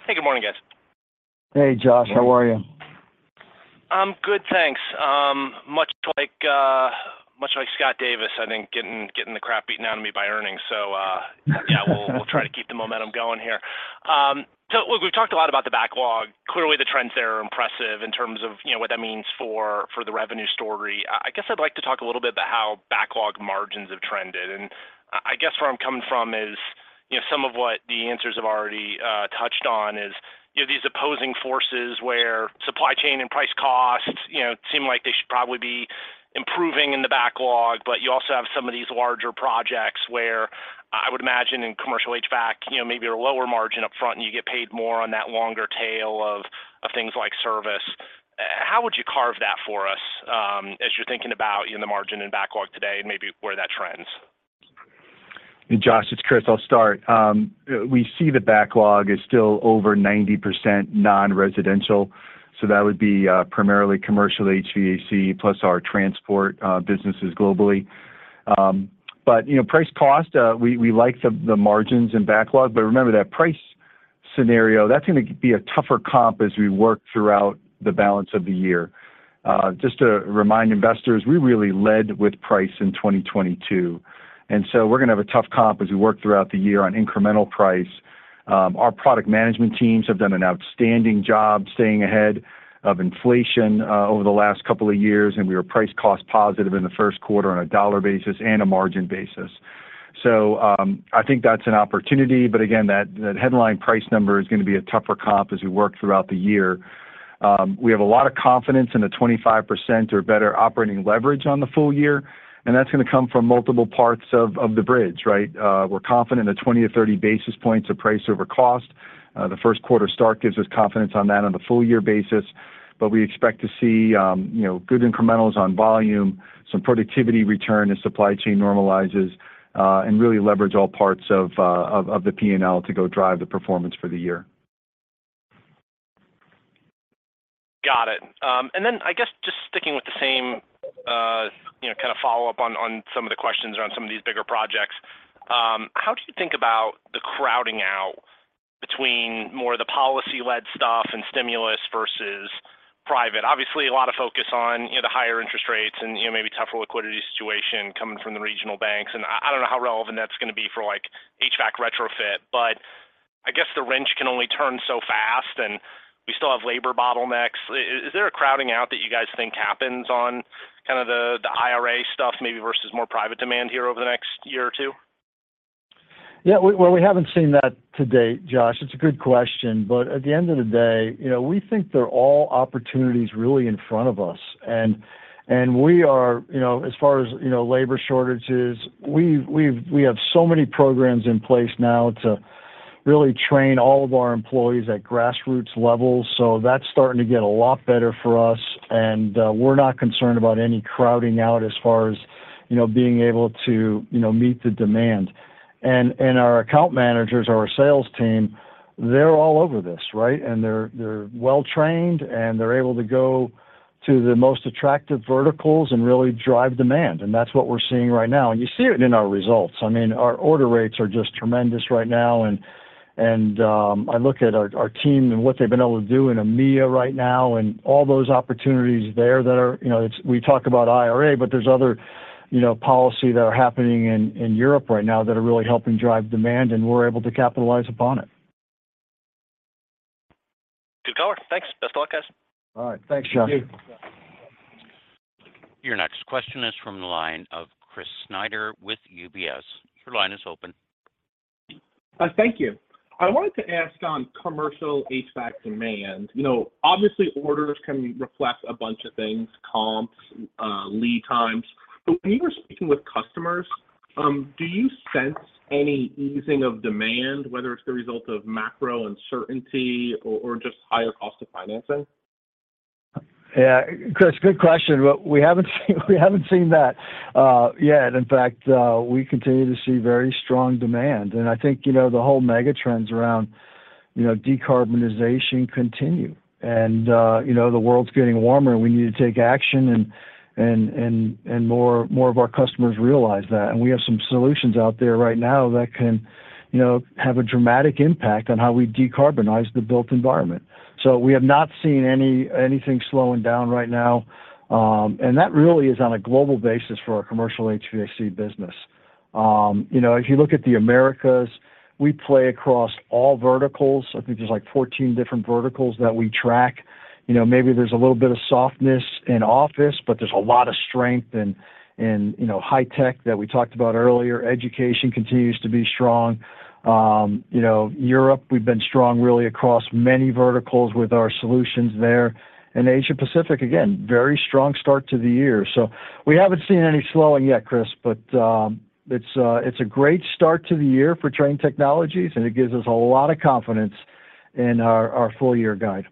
Hey, good morning, guys. Hey, Josh. How are you? I'm good, thanks. much like much like Scott Davis, I think getting the crap beaten out of me by earnings. Yeah, we'll try to keep the momentum going here. Look, we've talked a lot about the backlog. Clearly, the trends there are impressive in terms of, you know, what that means for the revenue story. I guess I'd like to talk a little bit about how backlog margins have trended. I guess where I'm coming from is, you know, some of what the answers have already touched on is, you know, these opposing forces where supply chain and price costs, you know, seem like they should probably be improving in the backlog. You also have some of these larger projects where I would imagine in commercial HVAC, you know, maybe you're lower margin up front, and you get paid more on that longer tail of things like service. How would you carve that for us, as you're thinking about, you know, the margin and backlog today and maybe where that trends? Hey, Josh, it's Chris. I'll start. We see the backlog is still over 90% non-residential, so that would be primarily commercial HVAC plus our transport businesses globally. You know, price cost, we like the margins and backlog. Remember, that price scenario, that's gonna be a tougher comp as we work throughout the balance of the year. Just to remind investors, we really led with price in 2022, we're gonna have a tough comp as we work throughout the year on incremental price. Our product management teams have done an outstanding job staying ahead of inflation over the last couple of years, and we were price cost positive in the first quarter on a dollar basis and a margin basis. I think that headline price number is going to be a tougher comp as we work throughout the year. We have a lot of confidence in the 25% or better operating leverage on the full year, and that's going to come from multiple parts of the bridge, right? We're confident that 20 basis point-30 basis points of price over cost. The first quarter start gives us confidence on that on a full year basis. We expect to see, you know, good incrementals on volume, some productivity return as supply chain normalizes, and really leverage all parts of the P&L to go drive the performance for the year. Got it. I guess just sticking with the same, you know, kind of follow-up on some of the questions around some of these bigger projects. How do you think about the crowding out between more of the policy-led stuff and stimulus versus private? Obviously, a lot of focus on, you know, the higher interest rates and, you know, maybe tougher liquidity situation coming from the regional banks. I don't know how relevant that's gonna be for like HVAC retrofit, but I guess the wrench can only turn so fast, and we still have labor bottlenecks. Is there a crowding out that you guys think happens on kind of the IRA stuff maybe versus more private demand here over the next year or two? Well, we haven't seen that to date, Josh. It's a good question. At the end of the day, you know, we think they're all opportunities really in front of us. We are, you know, as far as, you know, labor shortages, we've we have so many programs in place now to really train all of our employees at grassroots levels, so that's starting to get a lot better for us. We're not concerned about any crowding out as far as, you know, being able to, you know, meet the demand. Our account managers, our sales team, they're all over this, right? They're, they're well-trained, and they're able to go to the most attractive verticals and really drive demand, and that's what we're seeing right now. You see it in our results. I mean, our order rates are just tremendous right now. I look at our team and what they've been able to do in EMEA right now and all those opportunities there that are, you know, we talk about IRA, but there's other, you know, policy that are happening in Europe right now that are really helping drive demand, and we're able to capitalize upon it. Good call. Thanks. Best of luck, guys. All right. Thanks, Josh. Thank you. Your next question is from the line of Chris Snyder with UBS. Your line is open. Thank you. I wanted to ask on commercial HVAC demand. You know, obviously, orders can reflect a bunch of things, comps, lead times. When you were speaking with customers, do you sense any easing of demand, whether it's the result of macro uncertainty or just higher cost of financing? Yeah. Chris, good question. We haven't seen that yet. In fact, we continue to see very strong demand. I think, you know, the whole mega trends around, you know, decarbonization continue. You know, the world's getting warmer, and we need to take action, and more of our customers realize that. We have some solutions out there right now that can, you know, have a dramatic impact on how we decarbonize the built environment. We have not seen anything slowing down right now. That really is on a global basis for our commercial HVAC business. You know, if you look at the Americas, we play across all verticals. I think there's like 14 different verticals that we track. You know, maybe there's a little bit of softness in office, but there's a lot of strength in, you know, high tech that we talked about earlier. Education continues to be strong. You know, Europe, we've been strong really across many verticals with our solutions there. In Asia Pacific, again, very strong start to the year. We haven't seen any slowing yet, Chris, but it's a great start to the year for Trane Technologies, and it gives us a lot of confidence in our full year guide.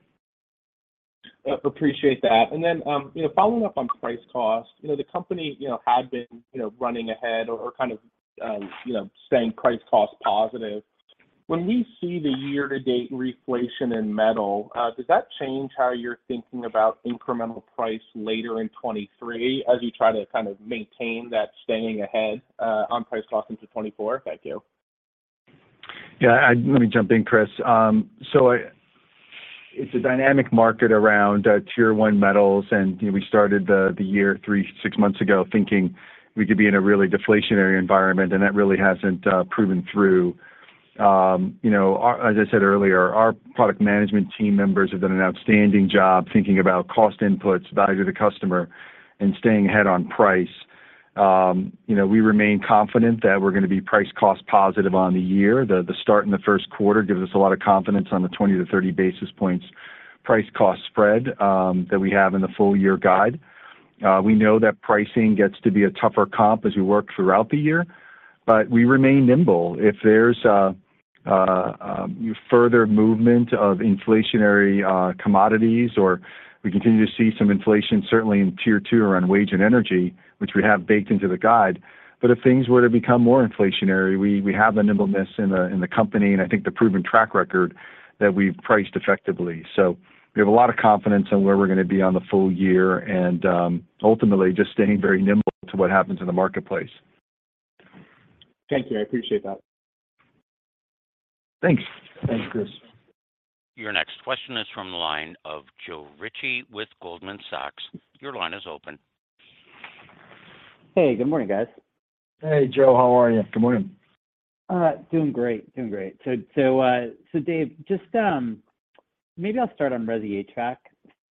Appreciate that. Then, you know, following up on price cost, you know, the company, you know, had been, you know, running ahead or kind of, you know, staying price cost positive. When we see the year-to-date reflation in metal, does that change how you're thinking about incremental price later in 2023 as you try to kind of maintain that staying ahead, on price cost into 2024? Thank you. Yeah, let me jump in, Chris. It's a dynamic market around tier one metals, and, you know, we started the year three, six months ago thinking we could be in a really deflationary environment, and that really hasn't proven through. You know, as I said earlier, our product management team members have done an outstanding job thinking about cost inputs, value to the customer, and staying ahead on price. You know, we remain confident that we're gonna be price cost positive on the year. The start in the first quarter gives us a lot of confidence on the 20-30 basis points price cost spread that we have in the full year guide. We know that pricing gets to be a tougher comp as we work throughout the year, but we remain nimble. If there's a further movement of inflationary commodities or we continue to see some inflation, certainly in tier two around wage and energy, which we have baked into the guide. If things were to become more inflationary, we have the nimbleness in the company, and I think the proven track record that we've priced effectively. We have a lot of confidence in where we're gonna be on the full year and ultimately just staying very nimble to what happens in the marketplace. Thank you. I appreciate that. Thanks. Thanks, Chris. Your next question is from the line of Joe Ritchie with Goldman Sachs. Your line is open. Hey, good morning, guys. Hey, Joe. How are you? Good morning. Doing great. Doing great. Dave, just maybe I'll start on resi HVAC.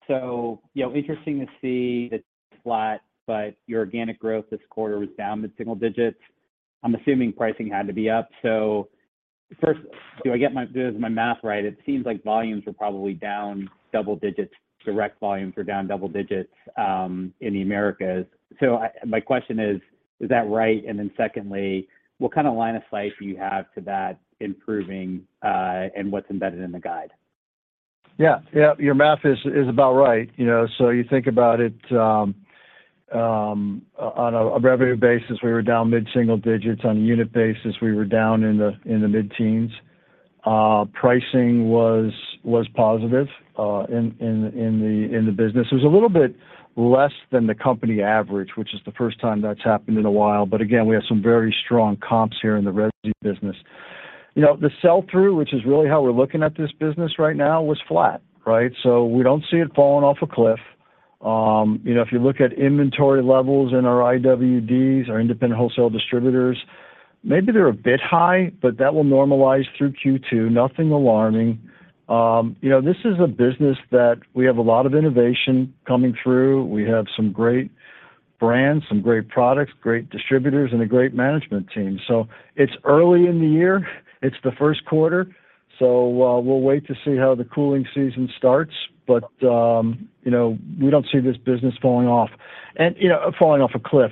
You know, interesting to see it's flat, but your organic growth this quarter was down to single digits. I'm assuming pricing had to be up. First, do my math right, it seems like volumes were probably down double digits, direct volumes were down double digits, in the Americas. My question is that right? Then secondly, what kind of line of sight do you have to that improving, and what's embedded in the guide? Yeah. Yeah, your math is about right. You know, you think about it, on a revenue basis, we were down mid-single digits. On a unit basis, we were down in the mid-teens. Pricing was positive in the business. It was a little bit less than the company average, which is the first time that's happened in a while. Again, we have some very strong comps here in the resi business. You know, the sell-through, which is really how we're looking at this business right now, was flat, right? We don't see it falling off a cliff. You know, if you look at inventory levels in our IWDs, our independent wholesale distributors, maybe they're a bit high, but that will normalize through Q2. Nothing alarming. You know, this is a business that we have a lot of innovation coming through. We have some great brands, some great products, great distributors, and a great management team. It's early in the year. It's the first quarter, so, we'll wait to see how the cooling season starts. You know, we don't see this business falling off and, you know, falling off a cliff.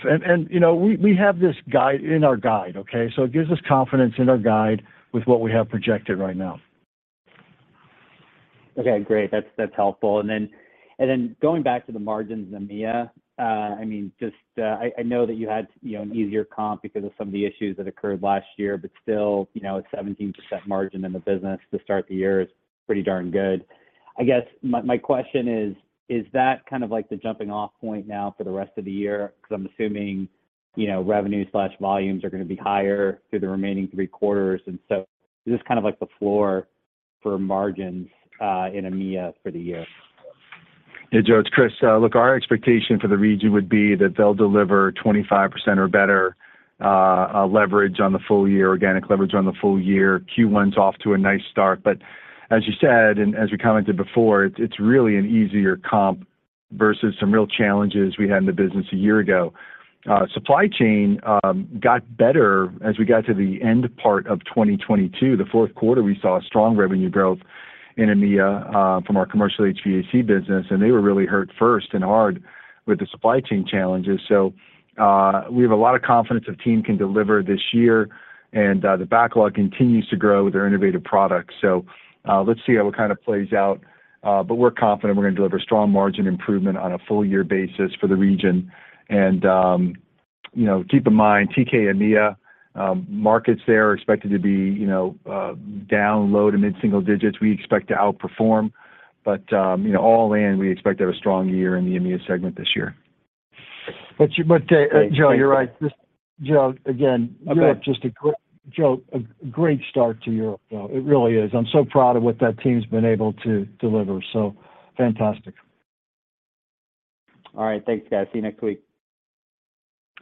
You know, we have this guide in our guide, okay? It gives us confidence in our guide with what we have projected right now. Okay, great. That's, that's helpful. Going back to the margins in EMEA, I mean, just, I know that you had, you know, an easier comp because of some of the issues that occurred last year, but still, you know, 17% margin in the business to start the year is pretty darn good. I guess my question is that kind of like the jumping off point now for the rest of the year? I'm assuming, you know, revenue/volumes are gonna be higher through the remaining 3 quarters, and so is this kind of like the floor for margins in EMEA for the year? Hey, Joe, it's Chris. look, our expectation for the region would be that they'll deliver 25% or better, leverage on the full year, organic leverage on the full year. Q1's off to a nice start. As you said, and as we commented before, it's really an easier comp versus some real challenges we had in the business a year ago. supply chain, got better as we got to the end part of 2022. The fourth quarter, we saw a strong revenue growth in EMEA, from our commercial HVAC business, and they were really hurt first and hard with the supply chain challenges. We have a lot of confidence the team can deliver this year, and, the backlog continues to grow their innovative products. let's see how it kind of plays out. We're confident we're gonna deliver strong margin improvement on a full year basis for the region. You know, keep in mind, TK EMEA, markets there are expected to be, you know, down low to mid-single digits. We expect to outperform. You know, all in, we expect to have a strong year in the EMEA segment this year. Joe, you're right. Joe, again, you have just a great start to Europe. It really is. I'm so proud of what that team's been able to deliver, fantastic. All right. Thanks, guys. See you next week.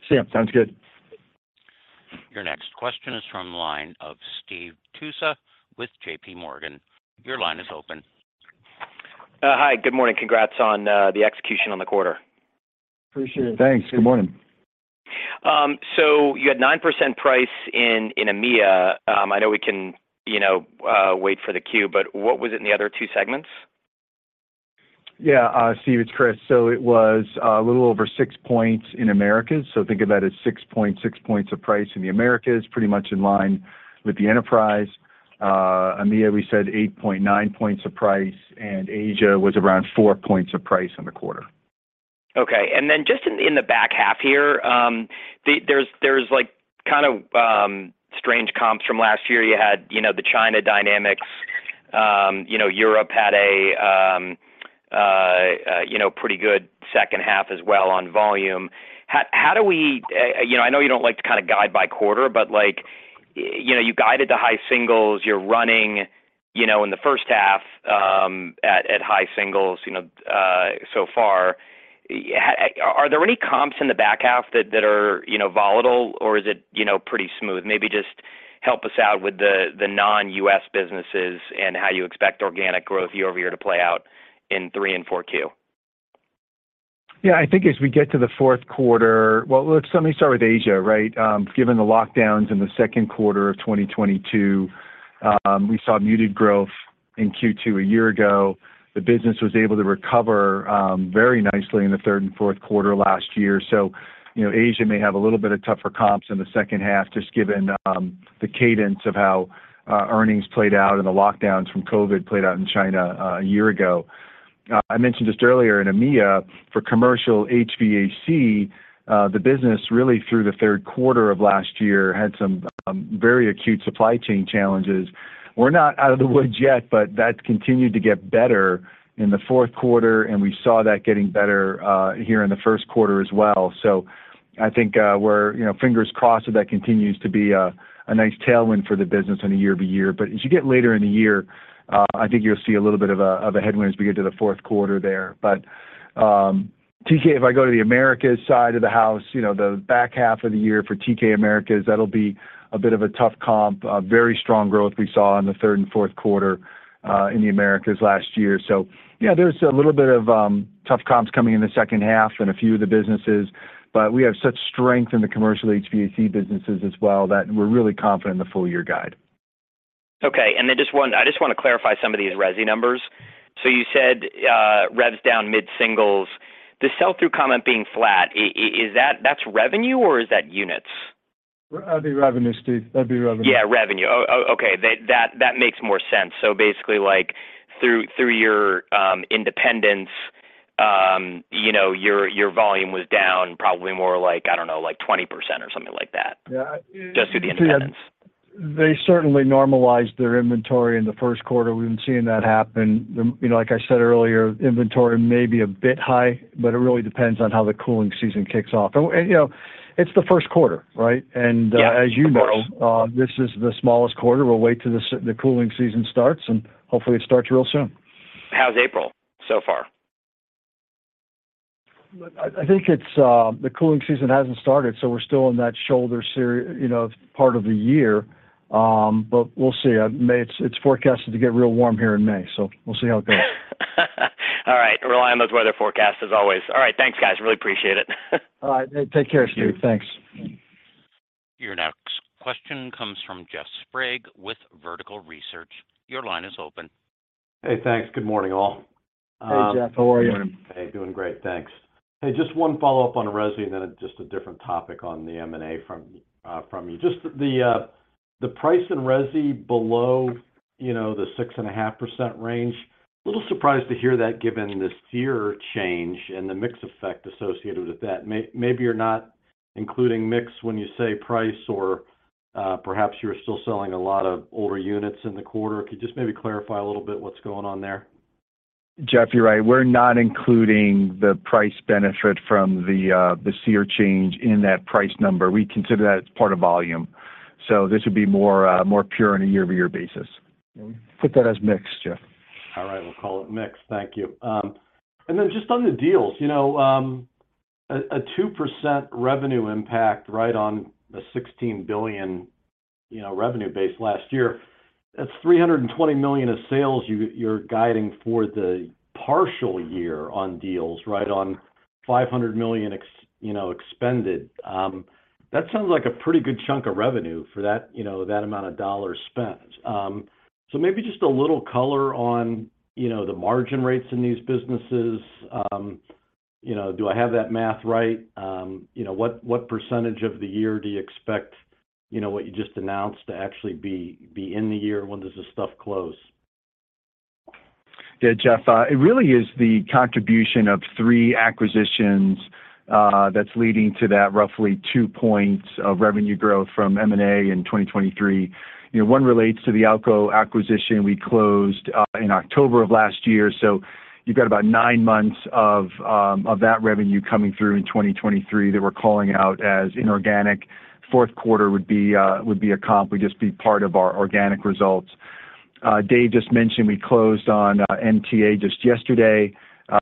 See you. Sounds good. Your next question is from the line of Steve Tusa with J.P. Morgan. Your line is open. Hi. Good morning. Congrats on the execution on the quarter. Appreciate it. Thanks. Good morning. You had 9% price in EMEIA. I know we can, you know, wait for the 10-Q, but what was it in the other two segments? Steve, it's Chris. It was a little over 6 points in Americas. Think of that as 6 points of price in the Americas, pretty much in line with the enterprise. EMEIA, we said 8.9 points of price, and Asia was around 4 points of price in the quarter. Okay. Just in the back half here, there's like kind of, strange comps from last year. You had, you know, the China dynamics. You know, Europe had a, you know, pretty good second half as well on volume. How do we? You know, I know you don't like to kinda guide by quarter, but, like, you know, you guided the high singles, you're running, you know, in the first half, at high singles, you know, so far, are there any comps in the back half that are, you know, volatile, or is it, you know, pretty smooth? Maybe just help us out with the non-U.S. businesses and how you expect organic growth year-over-year to play out in 3Q and 4Q. I think as we get to the fourth quarter. Let me start with Asia, right? Given the lockdowns in the second quarter of 2022, we saw muted growth in Q2 a year ago. The business was able to recover very nicely in the third and fourth quarter last year. You know, Asia may have a little bit of tougher comps in the second half just given the cadence of how earnings played out and the lockdowns from COVID played out in China a year ago. I mentioned this earlier, in EMEA, for commercial HVAC, the business really through the third quarter of last year had some very acute supply chain challenges. We're not out of the woods yet, but that continued to get better in the fourth quarter, and we saw that getting better here in the first quarter as well. I think, we're, you know, fingers crossed that that continues to be a nice tailwind for the business in a year-over-year. As you get later in the year, I think you'll see a little bit of a headwind as we get to the fourth quarter there. TK, if I go to the Americas side of the house, you know, the back half of the year for TK Americas, that'll be a bit of a tough comp. A very strong growth we saw in the third and fourth quarter in the Americas last year. Yeah, there's a little bit of tough comps coming in the second half in a few of the businesses, but we have such strength in the commercial HVAC businesses as well that we're really confident in the full year guide. Okay. I just want to clarify some of these resi numbers. You said, rev's down mid-singles. The sell-through comment being flat, is that revenue or is that units? That'd be revenue, Steve. That'd be revenue. Yeah, revenue. Oh, okay. That makes more sense. Basically, like, through your independence, you know, your volume was down probably more like, I don't know, like 20% or something like that. Yeah. Just through the independence. They certainly normalized their inventory in the first quarter. We've been seeing that happen. You know, like I said earlier, inventory may be a bit high, but it really depends on how the cooling season kicks off. You know, it's the first quarter, right? Yeah, the quarter. As you know, this is the smallest quarter. We'll wait till the cooling season starts, and hopefully it starts real soon. How's April so far? I think it's the cooling season hasn't started, we're still in that shoulder you know, part of the year. We'll see. May it's forecasted to get real warm here in May, we'll see how it goes. All right. Rely on those weather forecasts as always. All right. Thanks, guys. Really appreciate it. All right. Take care, Steve. Thanks. Your next question comes from Jeff Sprague with Vertical Research. Your line is open. Hey, thanks. Good morning, all. Hey, Jeff. How are you? Hey. Doing great, thanks. Hey, just one follow-up on resi, and then just a different topic on the M&A from you. Just the price in resi below, you know, the 6.5% range, a little surprised to hear that given the SEER change and the mix effect associated with that. Maybe you're not including mix when you say price or perhaps you're still selling a lot of older units in the quarter. Could you just maybe clarify a little bit what's going on there? Jeff, you're right. We're not including the price benefit from the SEER change in that price number. We consider that as part of volume. This would be more pure on a year-over-year basis. Okay. Put that as mix, Jeff. All right. We'll call it mix. Thank you. Then just on the deals, you know, a 2% revenue impact right on the $16 billion, you know, revenue base last year. That's $320 million of sales you're guiding for the partial year on deals, right on $500 million, you know, expended. That sounds like a pretty good chunk of revenue for that, you know, that amount of dollars spent. Maybe just a little color on, you know, the margin rates in these businesses. You know, do I have that math right? You know, what percentage of the year do you expect, you know, what you just announced to actually be in the year when does this stuff close? Jeff, it really is the contribution of three acquisitions that's leading to that roughly 2 points of revenue growth from M&A in 2023. You know, one relates to the AL-KO acquisition we closed in October of last year, so you've got about nine months of that revenue coming through in 2023 that we're calling out as inorganic. Fourth quarter would be a comp, would just be part of our organic results. Dave just mentioned we closed on MTA just yesterday.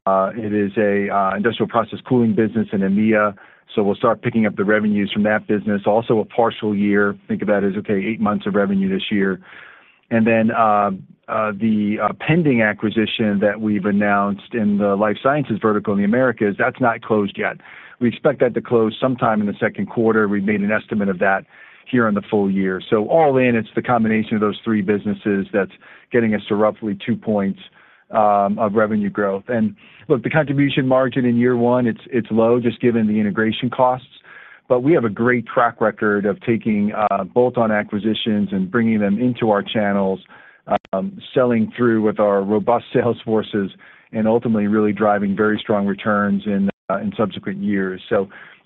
It is a industrial process cooling business in EMEA, so we'll start picking up the revenues from that business. A partial year. Think of that as, okay, eight months of revenue this year. The pending acquisition that we've announced in the life sciences vertical in the Americas, that's not closed yet. We expect that to close sometime in the second quarter. We've made an estimate of that here in the full year. All in, it's the combination of those three businesses that's getting us to roughly two points of revenue growth. Look, the contribution margin in year one, it's low just given the integration costs, but we have a great track record of taking bolt-on acquisitions and bringing them into our channels, selling through with our robust sales forces. Ultimately really driving very strong returns in subsequent years.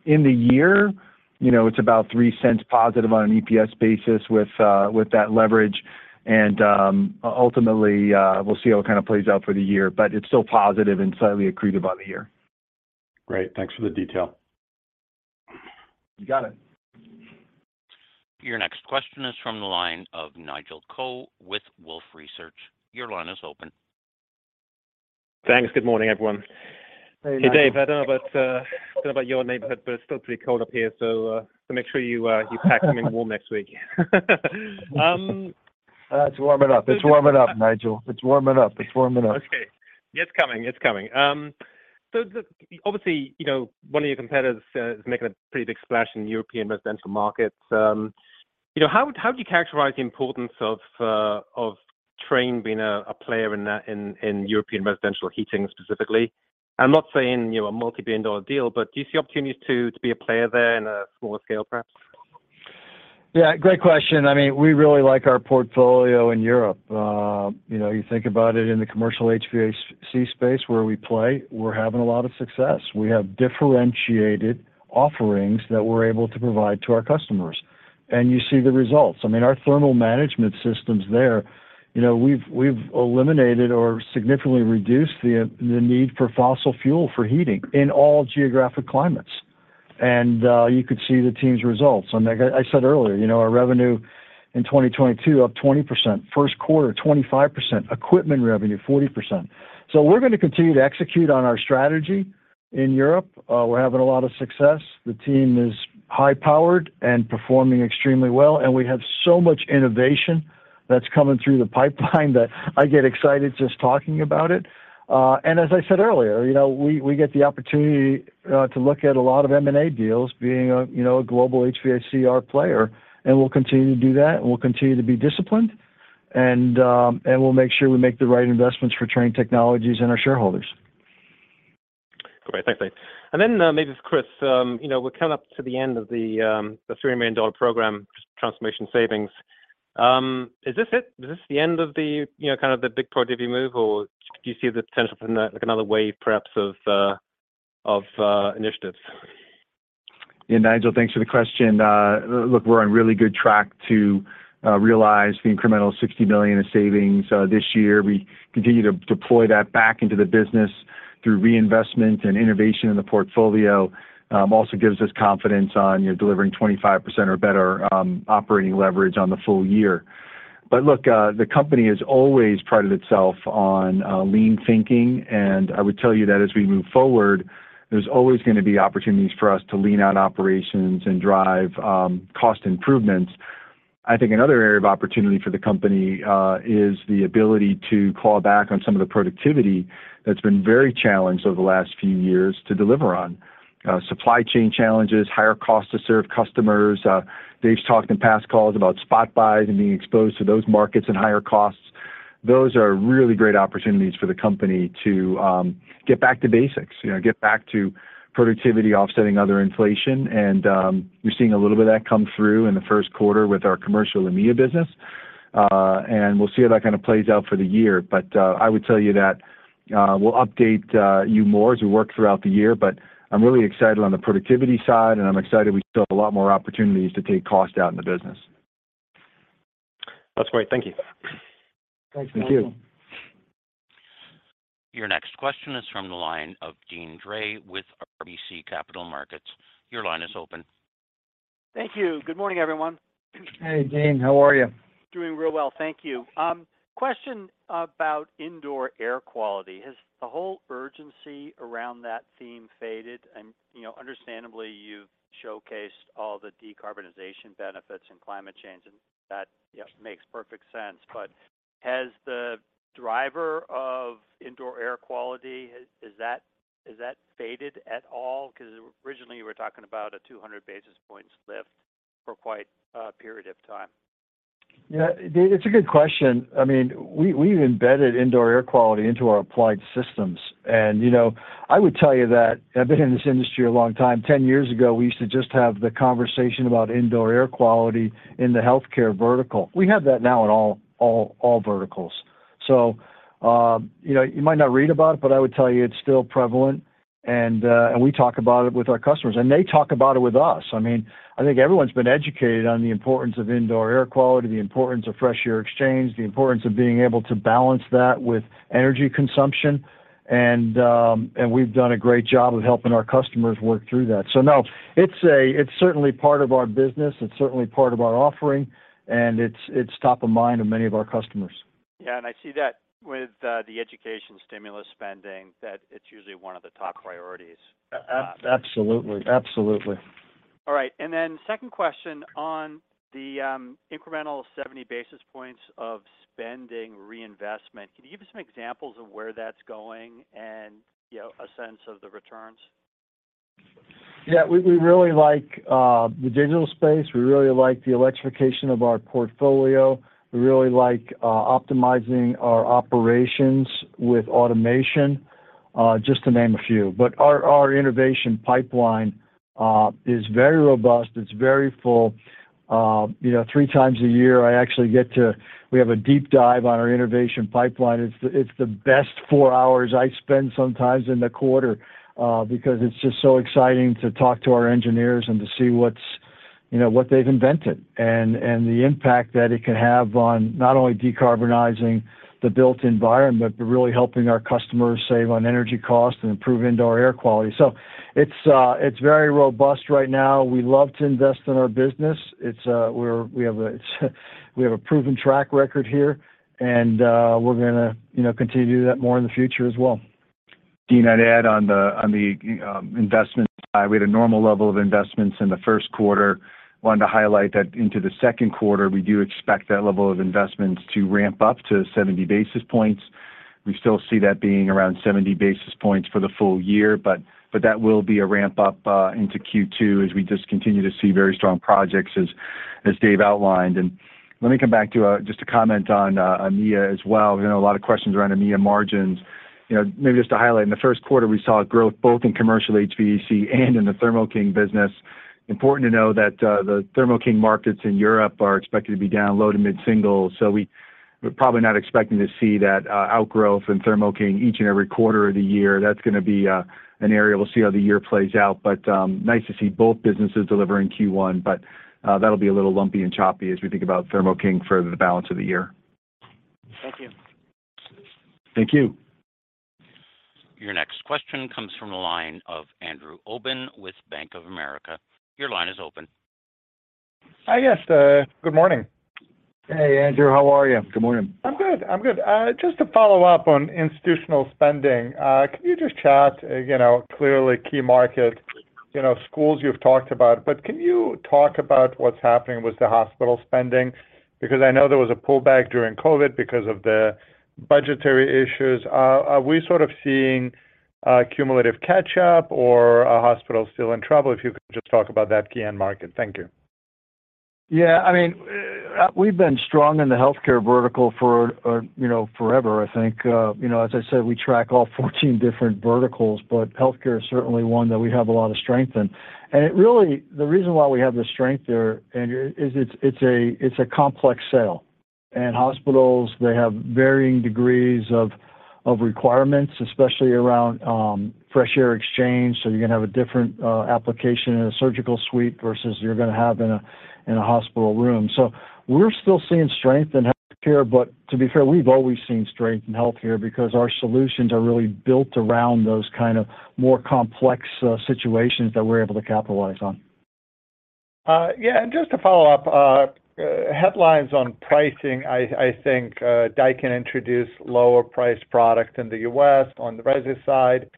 In the year, you know, it's about $0.03 positive on an EPS basis with that leverage. Ultimately, we'll see how it kind of plays out for the year, but it's still positive and slightly accretive on the year. Great. Thanks for the detail. You got it. Your next question is from the line of Nigel Coe with Wolfe Research. Your line is open. Thanks. Good morning, everyone. Hey, Nigel. Hey, Dave, I don't know about, don't know about your neighborhood, but it's still pretty cold up here, so make sure you pack something warm next week. It's warming up. It's warming up, Nigel. It's warming up. It's warming up. It's coming. Obviously, you know, one of your competitors is making a pretty big splash in the European residential markets. You know, how do you characterize the importance of Trane being a player in European residential heating specifically? I'm not saying, you know, a multibillion-dollar deal, but do you see opportunities to be a player there in a smaller scale, perhaps? Yeah, great question. I mean, we really like our portfolio in Europe. You know, you think about it in the commercial HVAC space where we play, we're having a lot of success. We have differentiated offerings that we're able to provide to our customers. You see the results. I mean, our thermal management systems there, you know, we've eliminated or significantly reduced the need for fossil fuel for heating in all geographic climates. You could see the team's results. I mean, like I said earlier, you know, our revenue in 2022 up 20%, first quarter, 25%, equipment revenue, 40%. We're going to continue to execute on our strategy in Europe. We're having a lot of success. The team is high-powered and performing extremely well, we have so much innovation that's coming through the pipeline that I get excited just talking about it. As I said earlier, you know, we get the opportunity to look at a lot of M&A deals being a, you know, a global HVACR player, we'll continue to do that, we'll continue to be disciplined, and we'll make sure we make the right investments for Trane Technologies and our shareholders. Great. Thanks, Dave. Maybe to Chris, you know, we're coming up to the end of the $3 million program transformation savings. Is this it? Is this the end of the, you know, kind of the big productivity move, or do you see the potential for another wave, perhaps, of initiatives? Yeah, Nigel, thanks for the question. Look, we're on really good track to realize the incremental $60 million in savings this year. We continue to deploy that back into the business through reinvestment and innovation in the portfolio. Also gives us confidence on, you know, delivering 25% or better operating leverage on the full year. Look, the company has always prided itself on lean thinking, and I would tell you that as we move forward, there's always gonna be opportunities for us to lean out operations and drive cost improvements. I think another area of opportunity for the company is the ability to claw back on some of the productivity that's been very challenged over the last few years to deliver on supply chain challenges, higher cost to serve customers. Dave's talked in past calls about spot buys and being exposed to those markets and higher costs. Those are really great opportunities for the company to get back to basics, you know, get back to productivity, offsetting other inflation. We're seeing a little bit of that come through in the first quarter with our commercial EMEA business. We'll see how that kind of plays out for the year. I would tell you that we'll update you more as we work throughout the year, but I'm really excited on the productivity side, and I'm excited we still have a lot more opportunities to take cost out in the business. That's great. Thank you. Thanks, Nigel. Thank you. Your next question is from the line of Deane Dray with RBC Capital Markets. Your line is open. Thank you. Good morning, everyone. Hey, Deane. How are you? Doing real well. Thank you. Question about indoor air quality. Has the whole urgency around that theme faded? You know, understandably, you've showcased all the decarbonization benefits and climate change, and that, you know, makes perfect sense. Has the driver of indoor air quality, is that faded at all? 'Cause originally, we're talking about a 200 basis points lift for quite a period of time. Yeah, Deane, it's a good question. I mean, we've embedded indoor air quality into our applied systems. You know, I would tell you that I've been in this industry a long time. 10 years ago, we used to just have the conversation about indoor air quality in the healthcare vertical. We have that now in all verticals. You know, you might not read about it, but I would tell you it's still prevalent. We talk about it with our customers, and they talk about it with us. I mean, I think everyone's been educated on the importance of indoor air quality, the importance of fresh air exchange, the importance of being able to balance that with energy consumption. We've done a great job of helping our customers work through that. No, it's certainly part of our business, it's certainly part of our offering, and it's top of mind of many of our customers. Yeah, I see that with the education stimulus spending, that it's usually one of the top priorities. Absolutely. Absolutely. All right. Second question on the incremental 70 basis points of spending reinvestment. Can you give us some examples of where that's going and, you know, a sense of the returns? Yeah. We really like the digital space. We really like the electrification of our portfolio. We really like optimizing our operations with automation. Just to name a few. Our innovation pipeline is very robust. It's very full. You know, three times a year, I actually get to we have a deep dive on our innovation pipeline. It's the best four hours I spend sometimes in the quarter because it's just so exciting to talk to our engineers and to see what's, you know, what they've invented and the impact that it can have on not only decarbonizing the built environment, but really helping our customers save on energy costs and improve indoor air quality. It's very robust right now. We love to invest in our business. We have a proven track record here, and we're gonna, you know, continue that more in the future as well. Deane, I'd add on the, on the investment side, we had a normal level of investments in the first quarter. Wanted to highlight that into the second quarter, we do expect that level of investments to ramp up to 70 basis points. We still see that being around 70 basis points for the full year, but that will be a ramp up into Q2 as we just continue to see very strong projects as Dave outlined. Let me come back to just to comment on EMEA as well. We know a lot of questions around EMEA margins. You know, maybe just to highlight, in the first quarter, we saw growth both in commercial HVAC and in the Thermo King business. Important to know that the Thermo King markets in Europe are expected to be down low to mid-single %. We're probably not expecting to see that outgrowth in Thermo King each and every quarter of the year. That's gonna be an area we'll see how the year plays out. Nice to see both businesses deliver in Q1. That'll be a little lumpy and choppy as we think about Thermo King for the balance of the year. Thank you. Thank you. Your next question comes from the line of Andrew Obin with Bank of America. Your line is open. Hi, guys. Good morning. Hey, Andrew. How are you? Good morning. I'm good. Just to follow up on institutional spending, can you just chat, you know, clearly key market, you know, schools you've talked about. Can you talk about what's happening with the hospital spending? Because I know there was a pullback during COVID because of the budgetary issues. Are we sort of seeing cumulative catch up or are hospitals still in trouble? If you could just talk about that key end market. Thank you. Yeah. I mean, we've been strong in the healthcare vertical for, you know, forever, I think. You know, as I said, we track all 14 different verticals, but healthcare is certainly one that we have a lot of strength in. The reason why we have the strength there, Andrew, is it's a complex sale. Hospitals, they have varying degrees of requirements, especially around fresh air exchange. You're gonna have a different application in a surgical suite versus you're gonna have in a hospital room. We're still seeing strength in healthcare, but to be fair, we've always seen strength in healthcare because our solutions are really built around those kind of more complex situations that we're able to capitalize on. Yeah, just to follow up, headlines on pricing, I think Daikin introduced lower priced product in the U.S. on the resi side.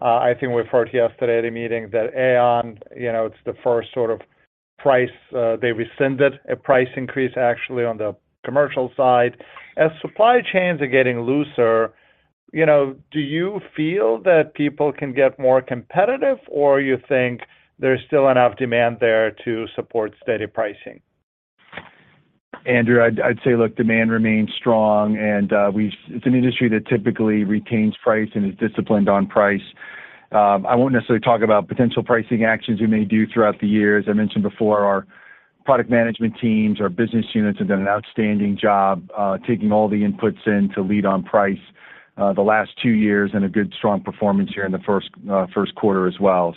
I think we've heard yesterday at a meeting that AAON, you know, it's the first sort of price, they rescinded a price increase actually on the commercial side. As supply chains are getting looser, you know, do you feel that people can get more competitive or you think there's still enough demand there to support steady pricing? Andrew, I'd say, look, demand remains strong. It's an industry that typically retains price and is disciplined on price. I won't necessarily talk about potential pricing actions we may do throughout the year. As I mentioned before, our product management teams, our business units have done an outstanding job taking all the inputs in to lead on price the last 2 years, and a good strong performance here in the first quarter as well.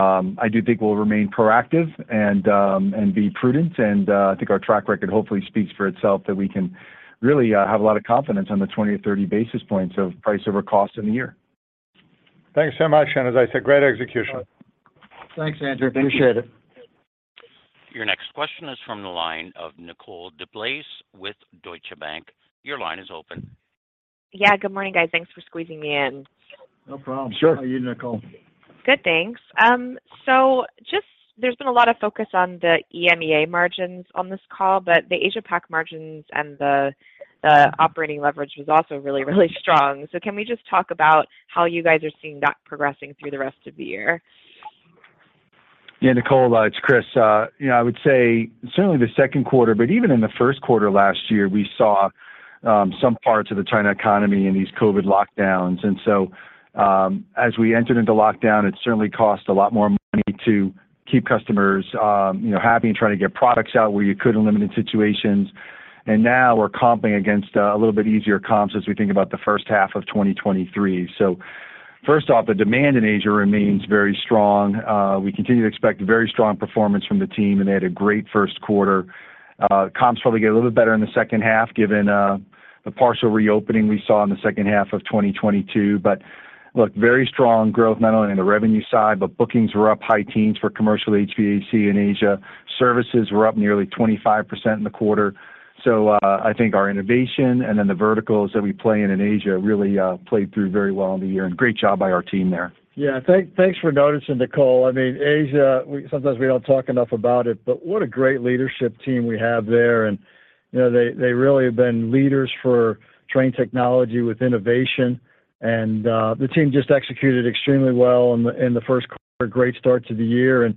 I do think we'll remain proactive and be prudent. I think our track record hopefully speaks for itself that we can really have a lot of confidence on the 20-30 basis points of price over cost in the year. Thanks so much. As I said, great execution. Thanks, Andrew. Appreciate it. Your next question is from the line of Nicole DeBlase with Deutsche Bank. Your line is open. Yeah. Good morning, guys. Thanks for squeezing me in. No problem. Sure. How are you, Nicole? Good, thanks. Just there's been a lot of focus on the EMEA margins on this call, but the Asia-Pac margins and the operating leverage was also really, really strong. Can we just talk about how you guys are seeing that progressing through the rest of the year? Yeah, Nicole, it's Chris. You know, I would say certainly the second quarter, but even in the first quarter last year, we saw some parts of the China economy in these COVID lockdowns. As we entered into lockdown, it certainly cost a lot more money to keep customers, you know, happy and trying to get products out where you could in limited situations. Now we're comping against a little bit easier comps as we think about the first half of 2023. First off, the demand in Asia remains very strong. We continue to expect very strong performance from the team, and they had a great first quarter. Comps probably get a little bit better in the second half given the partial reopening we saw in the second half of 2022. Look, very strong growth not only in the revenue side, but bookings were up high teens for commercial HVAC in Asia. Services were up nearly 25% in the quarter. I think our innovation and then the verticals that we play in Asia really played through very well in the year, and great job by our team there. Yeah. Thanks for noticing, Nicole. I mean, Asia, sometimes we don't talk enough about it, but what a great leadership team we have there. You know, they really have been leaders for Trane Technologies with innovation, the team just executed extremely well in the first quarter. Great start to the year. And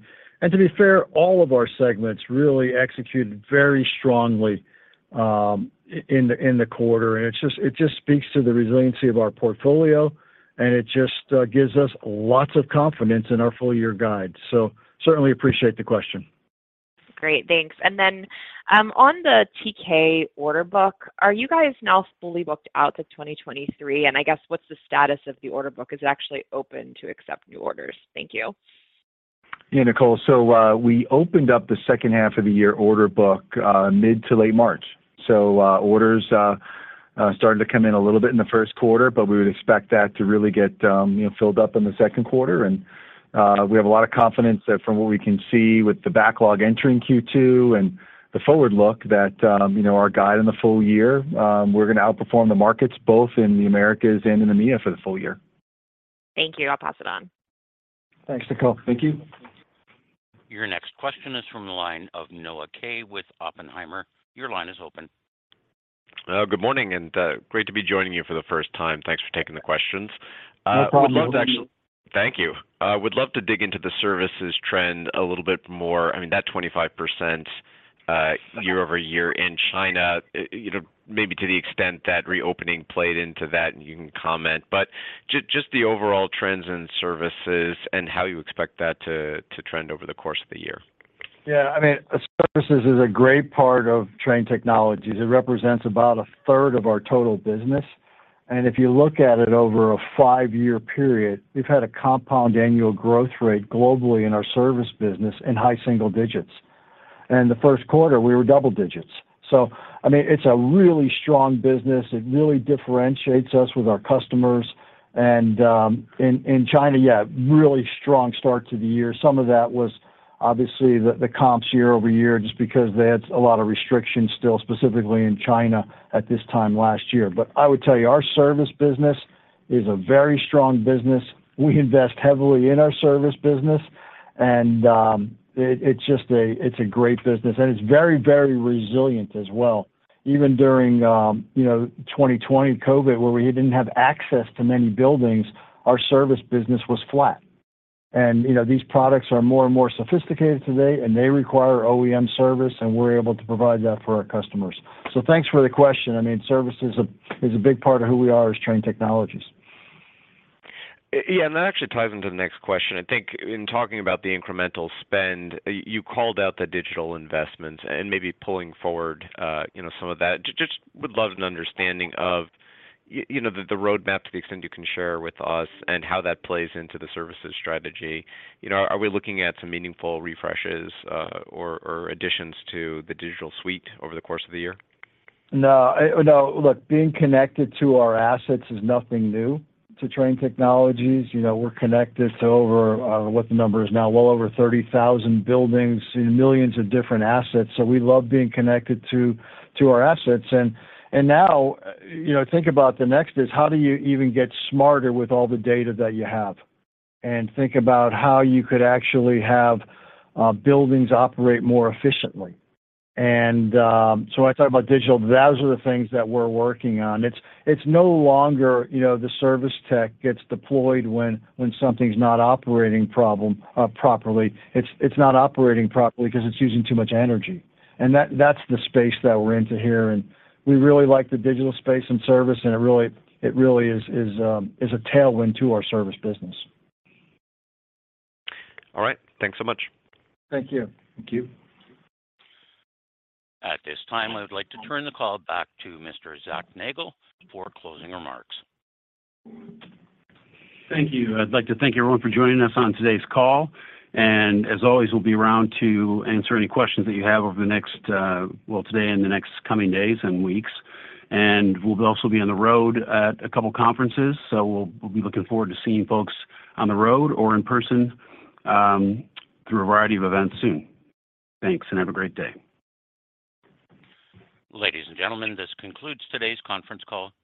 to be fair, all of our segments really executed very strongly in the quarter. It just speaks to the resiliency of our portfolio, and it just gives us lots of confidence in our full year guide. Certainly appreciate the question. Great. Thanks. On the TK order book, are you guys now fully booked out to 2023? I guess what's the status of the order book? Is it actually open to accept new orders? Thank you. Nicole. We opened up the second half of the year order book mid to late March. Orders started to come in a little bit in the first quarter, but we would expect that to really get, you know, filled up in the second quarter. We have a lot of confidence that from what we can see with the backlog entering Q2 and the forward look that, you know, our guide in the full year, we're gonna outperform the markets both in the Americas and in EMEA for the full year. Thank you. I'll pass it on. Thanks, Nicole. Thank you. Your next question is from the line of Noah Kaye with Oppenheimer. Your line is open. Good morning, and great to be joining you for the first time. Thanks for taking the questions. No problem. Would love to actually. Thank you. I would love to dig into the services trend a little bit more. I mean, that 25% year-over-year in China, you know, maybe to the extent that reopening played into that and you can comment. Just the overall trends in services and how you expect that to trend over the course of the year. Yeah. I mean, services is a great part of Trane Technologies. It represents about a third of our total business. If you look at it over a five-year period, we've had a compound annual growth rate globally in our service business in high single digits. In the first quarter, we were double digits. I mean, it's a really strong business. It really differentiates us with our customers. In China, yeah, really strong start to the year. Some of that was obviously the comps year-over-year, just because they had a lot of restrictions still, specifically in China at this time last year. I would tell you, our service business is a very strong business. We invest heavily in our service business, it's just a, it's a great business, and it's very resilient as well. Even during, you know, 2020, COVID, where we didn't have access to many buildings, our service business was flat. You know, these products are more and more sophisticated today, and they require OEM service, and we're able to provide that for our customers. Thanks for the question. I mean, service is a, is a big part of who we are as Trane Technologies. Yeah, that actually ties into the next question. I think in talking about the incremental spend, you called out the digital investment and maybe pulling forward, you know, some of that. Just would love an understanding of, you know, the roadmap to the extent you can share with us and how that plays into the services strategy. You know, are we looking at some meaningful refreshes or additions to the digital suite over the course of the year? No. No. Look, being connected to our assets is nothing new to Trane Technologies. You know, we're connected to over, what the number is now? Well over 30,000 buildings and millions of different assets. We love being connected to our assets. Now, you know, think about the next is how do you even get smarter with all the data that you have? Think about how you could actually have buildings operate more efficiently. When I talk about digital, those are the things that we're working on. It's no longer, you know, the service tech gets deployed when something's not operating properly. It's not operating properly ’cause it's using too much energy. That's the space that we're into here, and we really like the digital space and service, and it really is a tailwind to our service business. All right. Thanks so much. Thank you. Thank you. At this time, I would like to turn the call back to Mr. Zac Nagle for closing remarks. Thank you. I'd like to thank everyone for joining us on today's call. As always, we'll be around to answer any questions that you have over the next, well, today and the next coming days and weeks. We'll also be on the road at a couple conferences, so we'll be looking forward to seeing folks on the road or in person, through a variety of events soon. Thanks, and have a great day. Ladies and gentlemen, this concludes today's conference call. You may